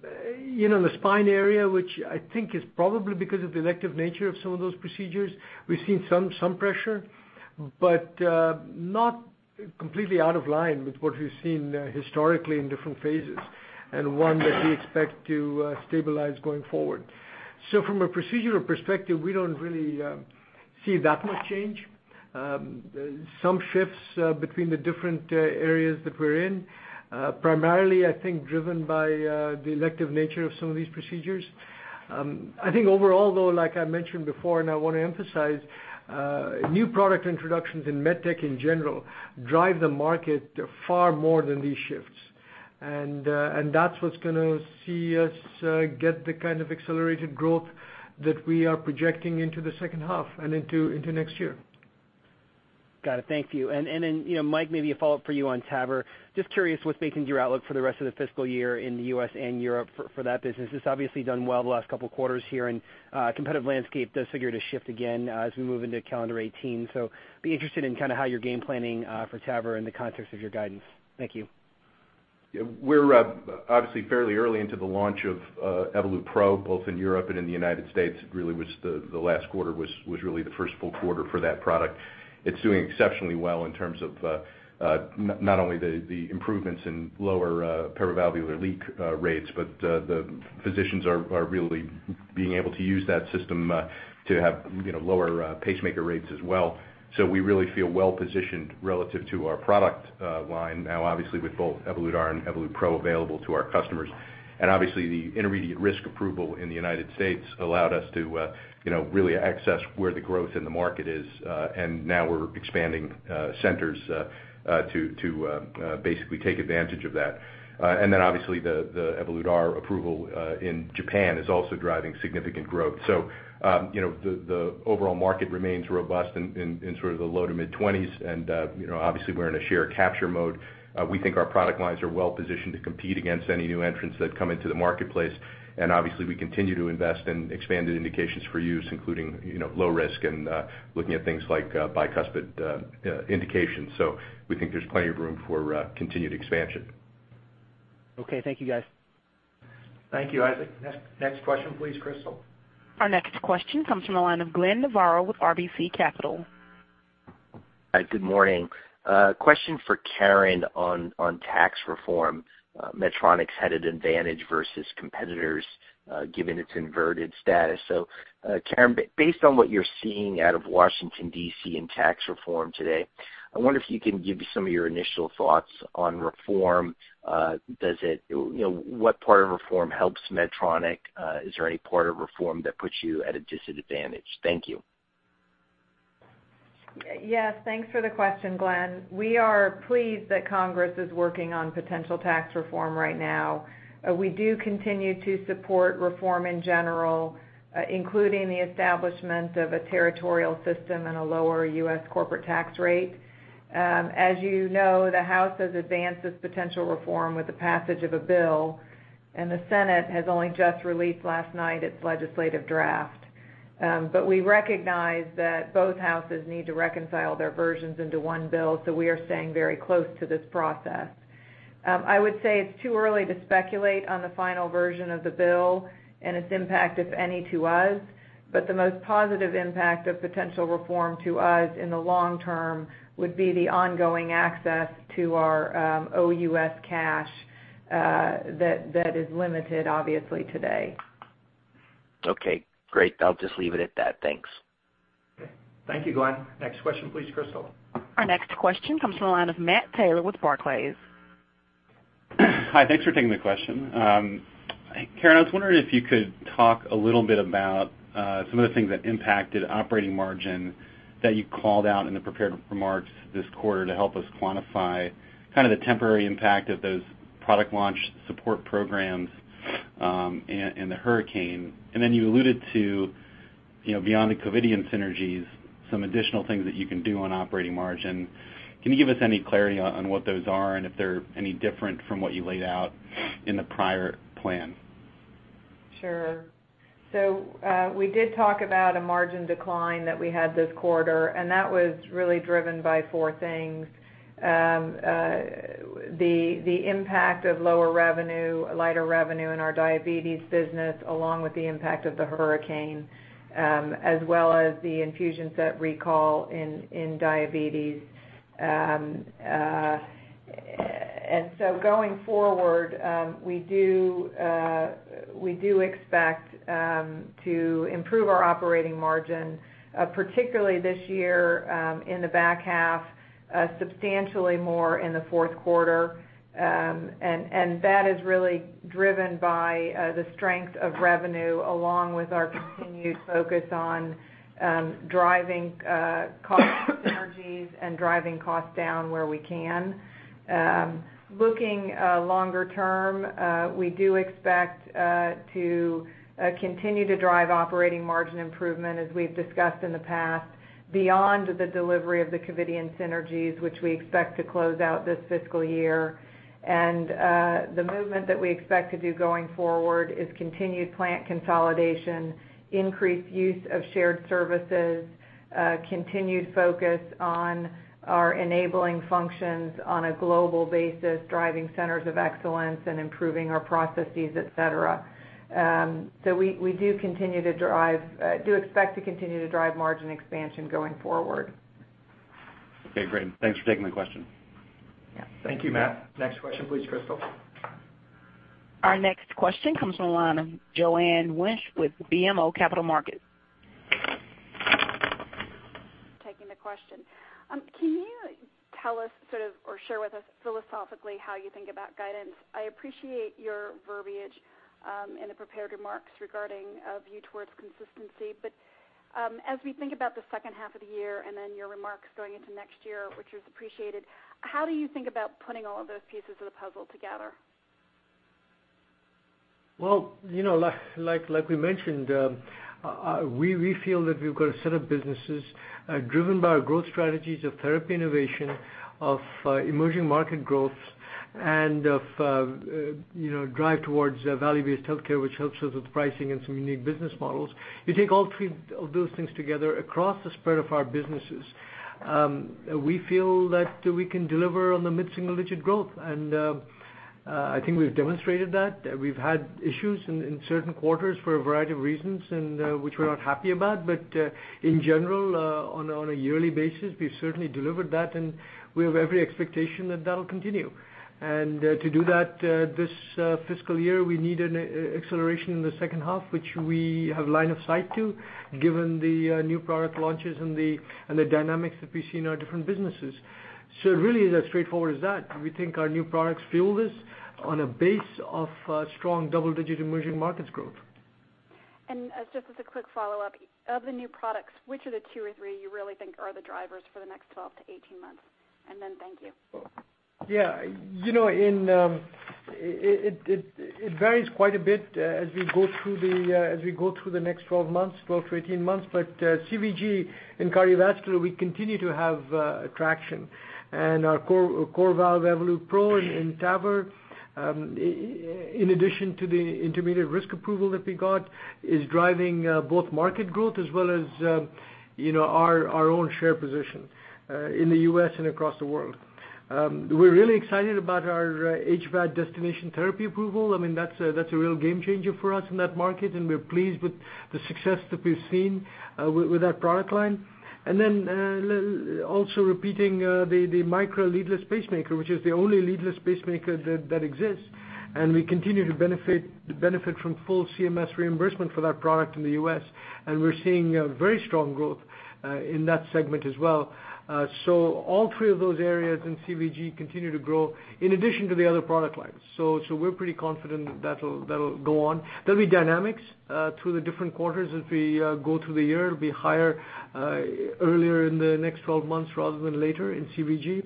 C: the spine area, which I think is probably because of the elective nature of some of those procedures, we've seen some pressure, but not completely out of line with what we've seen historically in different phases, and one that we expect to stabilize going forward. From a procedural perspective, we don't really see that much change.
D: Some shifts between the different areas that we're in, primarily, I think, driven by the elective nature of some of these procedures. I think overall, though, like I mentioned before, and I want to emphasize, new product introductions in med tech in general drive the market far more than these shifts. That's what's going to see us get the kind of accelerated growth that we are projecting into the second half and into next year.
Q: Got it. Thank you. Then, Mike, maybe a follow-up for you on TAVR. Just curious what's making your outlook for the rest of the fiscal year in the U.S. and Europe for that business. It's obviously done well the last couple of quarters here, and competitive landscape does figure to shift again as we move into calendar 2018. Be interested in how you're game planning for TAVR in the context of your guidance. Thank you.
P: We're obviously fairly early into the launch of Evolut PRO, both in Europe and in the United States. Really the last quarter was really the first full quarter for that product. It's doing exceptionally well in terms of not only the improvements in lower paravalvular leak rates, but the physicians are really being able to use that system to have lower pacemaker rates as well. We really feel well-positioned relative to our product line now, obviously, with both Evolut R and Evolut PRO available to our customers. Obviously the intermediate risk approval in the United States allowed us to really access where the growth in the market is. Now we're expanding centers to basically take advantage of that. Then obviously the Evolut R approval in Japan is also driving significant growth. The overall market remains robust in sort of the low to mid-20s, and obviously we're in a share capture mode. We think our product lines are well positioned to compete against any new entrants that come into the marketplace. Obviously, we continue to invest in expanded indications for use, including low risk and looking at things like bicuspid indications. We think there's plenty of room for continued expansion.
Q: Okay. Thank you, guys.
B: Thank you, Isaac. Next question, please, Krystal.
A: Our next question comes from the line of Glenn Novarro with RBC Capital.
R: Hi, good morning. Question for Karen on tax reform. Medtronic's had an advantage versus competitors given its inverted status. Karen, based on what you're seeing out of Washington, D.C. in tax reform today, I wonder if you can give some of your initial thoughts on reform. What part of reform helps Medtronic? Is there any part of reform that puts you at a disadvantage? Thank you.
D: Yes. Thanks for the question, Glenn. We are pleased that Congress is working on potential tax reform right now. We do continue to support reform in general, including the establishment of a territorial system and a lower U.S. corporate tax rate. As you know, the House has advanced this potential reform with the passage of a bill. The Senate has only just released last night its legislative draft. We recognize that both houses need to reconcile their versions into one bill, we are staying very close to this process. I would say it's too early to speculate on the final version of the bill and its impact, if any, to us. The most positive impact of potential reform to us in the long term would be the ongoing access to our OUS cash that is limited obviously today.
R: Okay, great. I'll just leave it at that. Thanks.
B: Okay. Thank you, Glenn. Next question, please, Krystal.
A: Our next question comes from the line of Matt Taylor with Barclays.
S: Hi. Thanks for taking the question. Karen, I was wondering if you could talk a little bit about some of the things that impacted operating margin that you called out in the prepared remarks this quarter to help us quantify kind of the temporary impact of those product launch support programs and the hurricane. You alluded to, beyond the Covidien synergies, some additional things that you can do on operating margin. Can you give us any clarity on what those are and if they're any different from what you laid out in the prior plan?
D: Sure. We did talk about a margin decline that we had this quarter, and that was really driven by four things: the impact of lower revenue, lighter revenue in our diabetes business, along with the impact of the hurricane, as well as the infusion set recall in diabetes. Going forward, we do expect to improve our operating margin, particularly this year, in the back half, substantially more in the fourth quarter. That is really driven by the strength of revenue, along with our continued focus on driving cost synergies and driving costs down where we can. Looking longer term, we do expect to continue to drive operating margin improvement as we've discussed in the past, beyond the delivery of the Covidien synergies, which we expect to close out this fiscal year. The movement that we expect to do going forward is continued plant consolidation, increased use of shared services, continued focus on our enabling functions on a global basis, driving centers of excellence and improving our processes, et cetera. We do expect to continue to drive margin expansion going forward.
S: Okay, great. Thanks for taking the question.
D: Yeah.
B: Thank you, Matt. Next question, please, Krystal.
A: Our next question comes from the line of Joanne Wuensch with BMO Capital Markets.
T: Taking the question. Can you tell us sort of, or share with us philosophically how you think about guidance? I appreciate your verbiage in the prepared remarks regarding a view towards consistency. As we think about the second half of the year and then your remarks going into next year, which is appreciated, how do you think about putting all of those pieces of the puzzle together?
D: Well, like we mentioned, we feel that we've got a set of businesses driven by our growth strategies of therapy innovation, of emerging market growth, and of drive towards value-based healthcare, which helps us with pricing and some unique business models. You take all three of those things together across the spread of our businesses, we feel that we can deliver on the mid-single-digit growth. I think we've demonstrated that. We've had issues in certain quarters for a variety of reasons, and which we're not happy about. In general, on a yearly basis, we've certainly delivered that, and we have every expectation that that'll continue. To do that this fiscal year, we need an acceleration in the second half, which we have line of sight to, given the new product launches and the dynamics that we see in our different businesses. It really is as straightforward as that. We think our new products fuel this on a base of strong double-digit emerging markets growth.
T: Just as a quick follow-up. Of the new products, which of the two or three you really think are the drivers for the next 12 to 18 months? Thank you.
C: It varies quite a bit as we go through the next 12 months, 12 to 18 months. CVG and cardiovascular, we continue to have traction. Our CoreValve Evolut PRO in TAVR, in addition to the intermediate risk approval that we got, is driving both market growth as well as our own share position in the U.S. and across the world. We're really excited about our HVAD destination therapy approval. That's a real game changer for us in that market, and we're pleased with the success that we've seen with that product line. Also repeating the Micra Leadless Pacemaker, which is the only leadless pacemaker that exists. We continue to benefit from full CMS reimbursement for that product in the U.S., and we're seeing very strong growth in that segment as well.
D: All three of those areas in CVG continue to grow in addition to the other product lines. We're pretty confident that'll go on. There'll be dynamics through the different quarters as we go through the year. It'll be higher earlier in the next 12 months rather than later in CVG.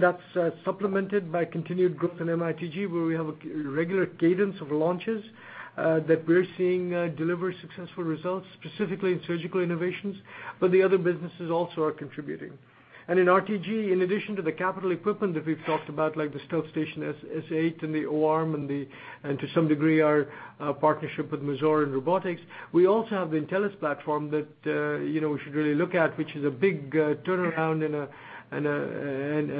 D: That's supplemented by continued growth in MITG, where we have a regular cadence of launches that we're seeing deliver successful results, specifically in surgical innovations, but the other businesses also are contributing. In RTG, in addition to the capital equipment that we've talked about, like the StealthStation S8 and the O-arm and to some degree, our partnership with Mazor in robotics, we also have the Intellis platform that we should really look at, which is a big turnaround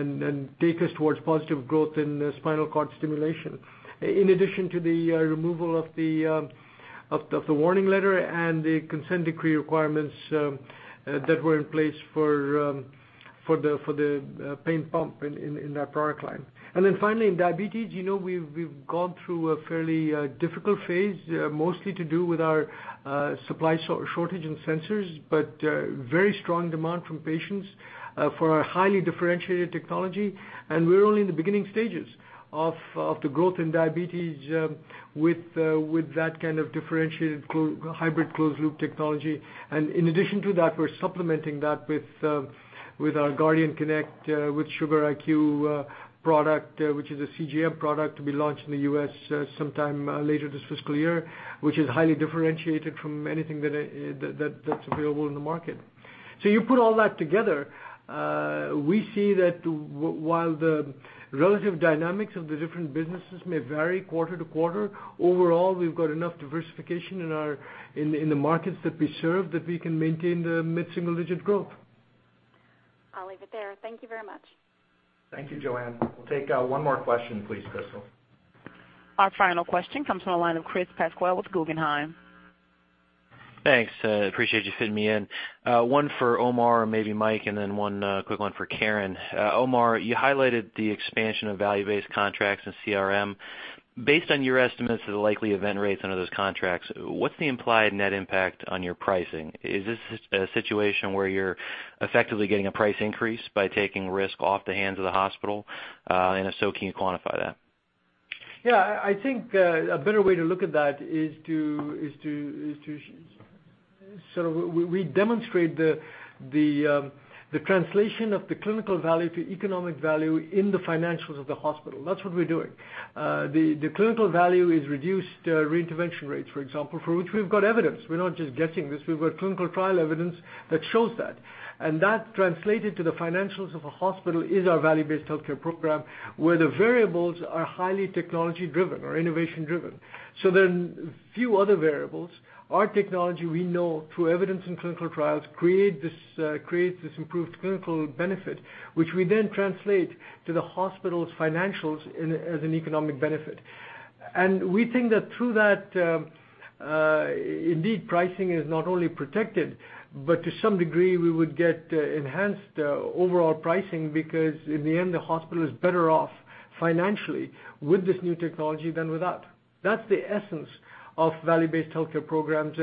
D: and take us towards positive growth in spinal cord stimulation. In addition to the removal of the warning letter and the consent decree requirements that were in place for the pain pump in that product line. Finally, in diabetes, we've gone through a fairly difficult phase, mostly to do with our supply shortage in sensors, but very strong demand from patients for our highly differentiated technology. We're only in the beginning stages of the growth in diabetes with that kind of differentiated hybrid closed-loop technology. In addition to that, we're supplementing that with our Guardian Connect with Sugar.IQ product, which is a CGM product to be launched in the U.S. sometime later this fiscal year, which is highly differentiated from anything that's available in the market. You put all that together, we see that while the relative dynamics of the different businesses may vary quarter to quarter, overall we've got enough diversification in the markets that we serve that we can maintain the mid-single-digit growth.
T: I'll leave it there. Thank you very much.
B: Thank you, Joanne. We'll take one more question, please, Krystal.
A: Our final question comes from the line of Chris Pasquale with Guggenheim.
U: Thanks. Appreciate you fitting me in. One for Omar, maybe Mike, and then one quick one for Karen. Omar, you highlighted the expansion of value-based contracts in CRM. Based on your estimates of the likely event rates under those contracts, what's the implied net impact on your pricing? Is this a situation where you're effectively getting a price increase by taking risk off the hands of the hospital? If so, can you quantify that?
C: I think a better way to look at that is to sort of redemonstrate the translation of the clinical value to economic value in the financials of the hospital. That's what we're doing. The clinical value is reduced reintervention rates, for example, for which we've got evidence. We're not just guessing this. We've got clinical trial evidence that shows that. That translated to the financials of a hospital is our Value-Based Healthcare program, where the variables are highly technology-driven or innovation-driven. Few other variables. Our technology, we know through evidence in clinical trials, creates this improved clinical benefit, which we then translate to the hospital's financials as an economic benefit. We think that through that, indeed, pricing is not only protected, but to some degree, we would get enhanced overall pricing because in the end, the hospital is better off financially with this new technology than without. That's the essence of Value-Based Healthcare programs.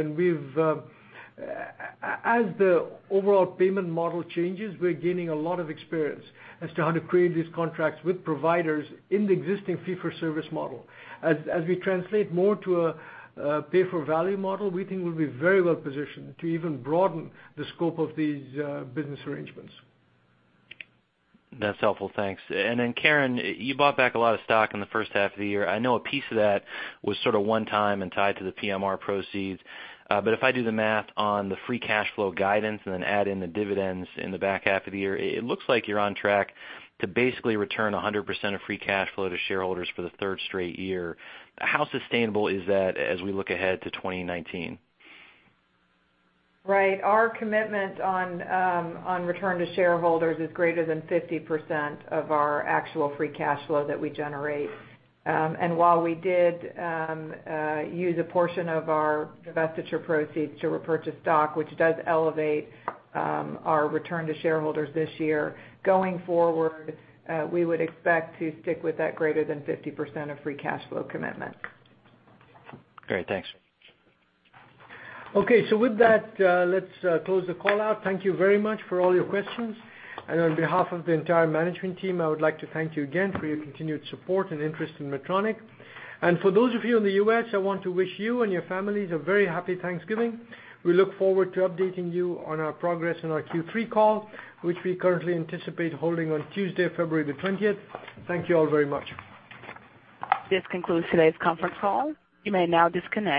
C: As the overall payment model changes, we're gaining a lot of experience as to how to create these contracts with providers in the existing fee-for-service model. As we translate more to a pay-for-value model, we think we'll be very well positioned to even broaden the scope of these business arrangements.
U: That's helpful. Thanks. Karen, you bought back a lot of stock in the first half of the year. I know a piece of that was sort of one time and tied to the PMR proceeds. If I do the math on the free cash flow guidance and then add in the dividends in the back half of the year, it looks like you're on track to basically return 100% of free cash flow to shareholders for the third straight year. How sustainable is that as we look ahead to 2019?
D: Right. Our commitment on return to shareholders is greater than 50% of our actual free cash flow that we generate. While we did use a portion of our divestiture proceeds to repurchase stock, which does elevate our return to shareholders this year, going forward, we would expect to stick with that greater than 50% of free cash flow commitment.
U: Great. Thanks.
C: With that, let's close the call out. Thank you very much for all your questions. On behalf of the entire management team, I would like to thank you again for your continued support and interest in Medtronic. For those of you in the U.S., I want to wish you and your families a very Happy Thanksgiving. We look forward to updating you on our progress in our Q3 call, which we currently anticipate holding on Tuesday, February the 20th. Thank you all very much.
A: This concludes today's conference call. You may now disconnect.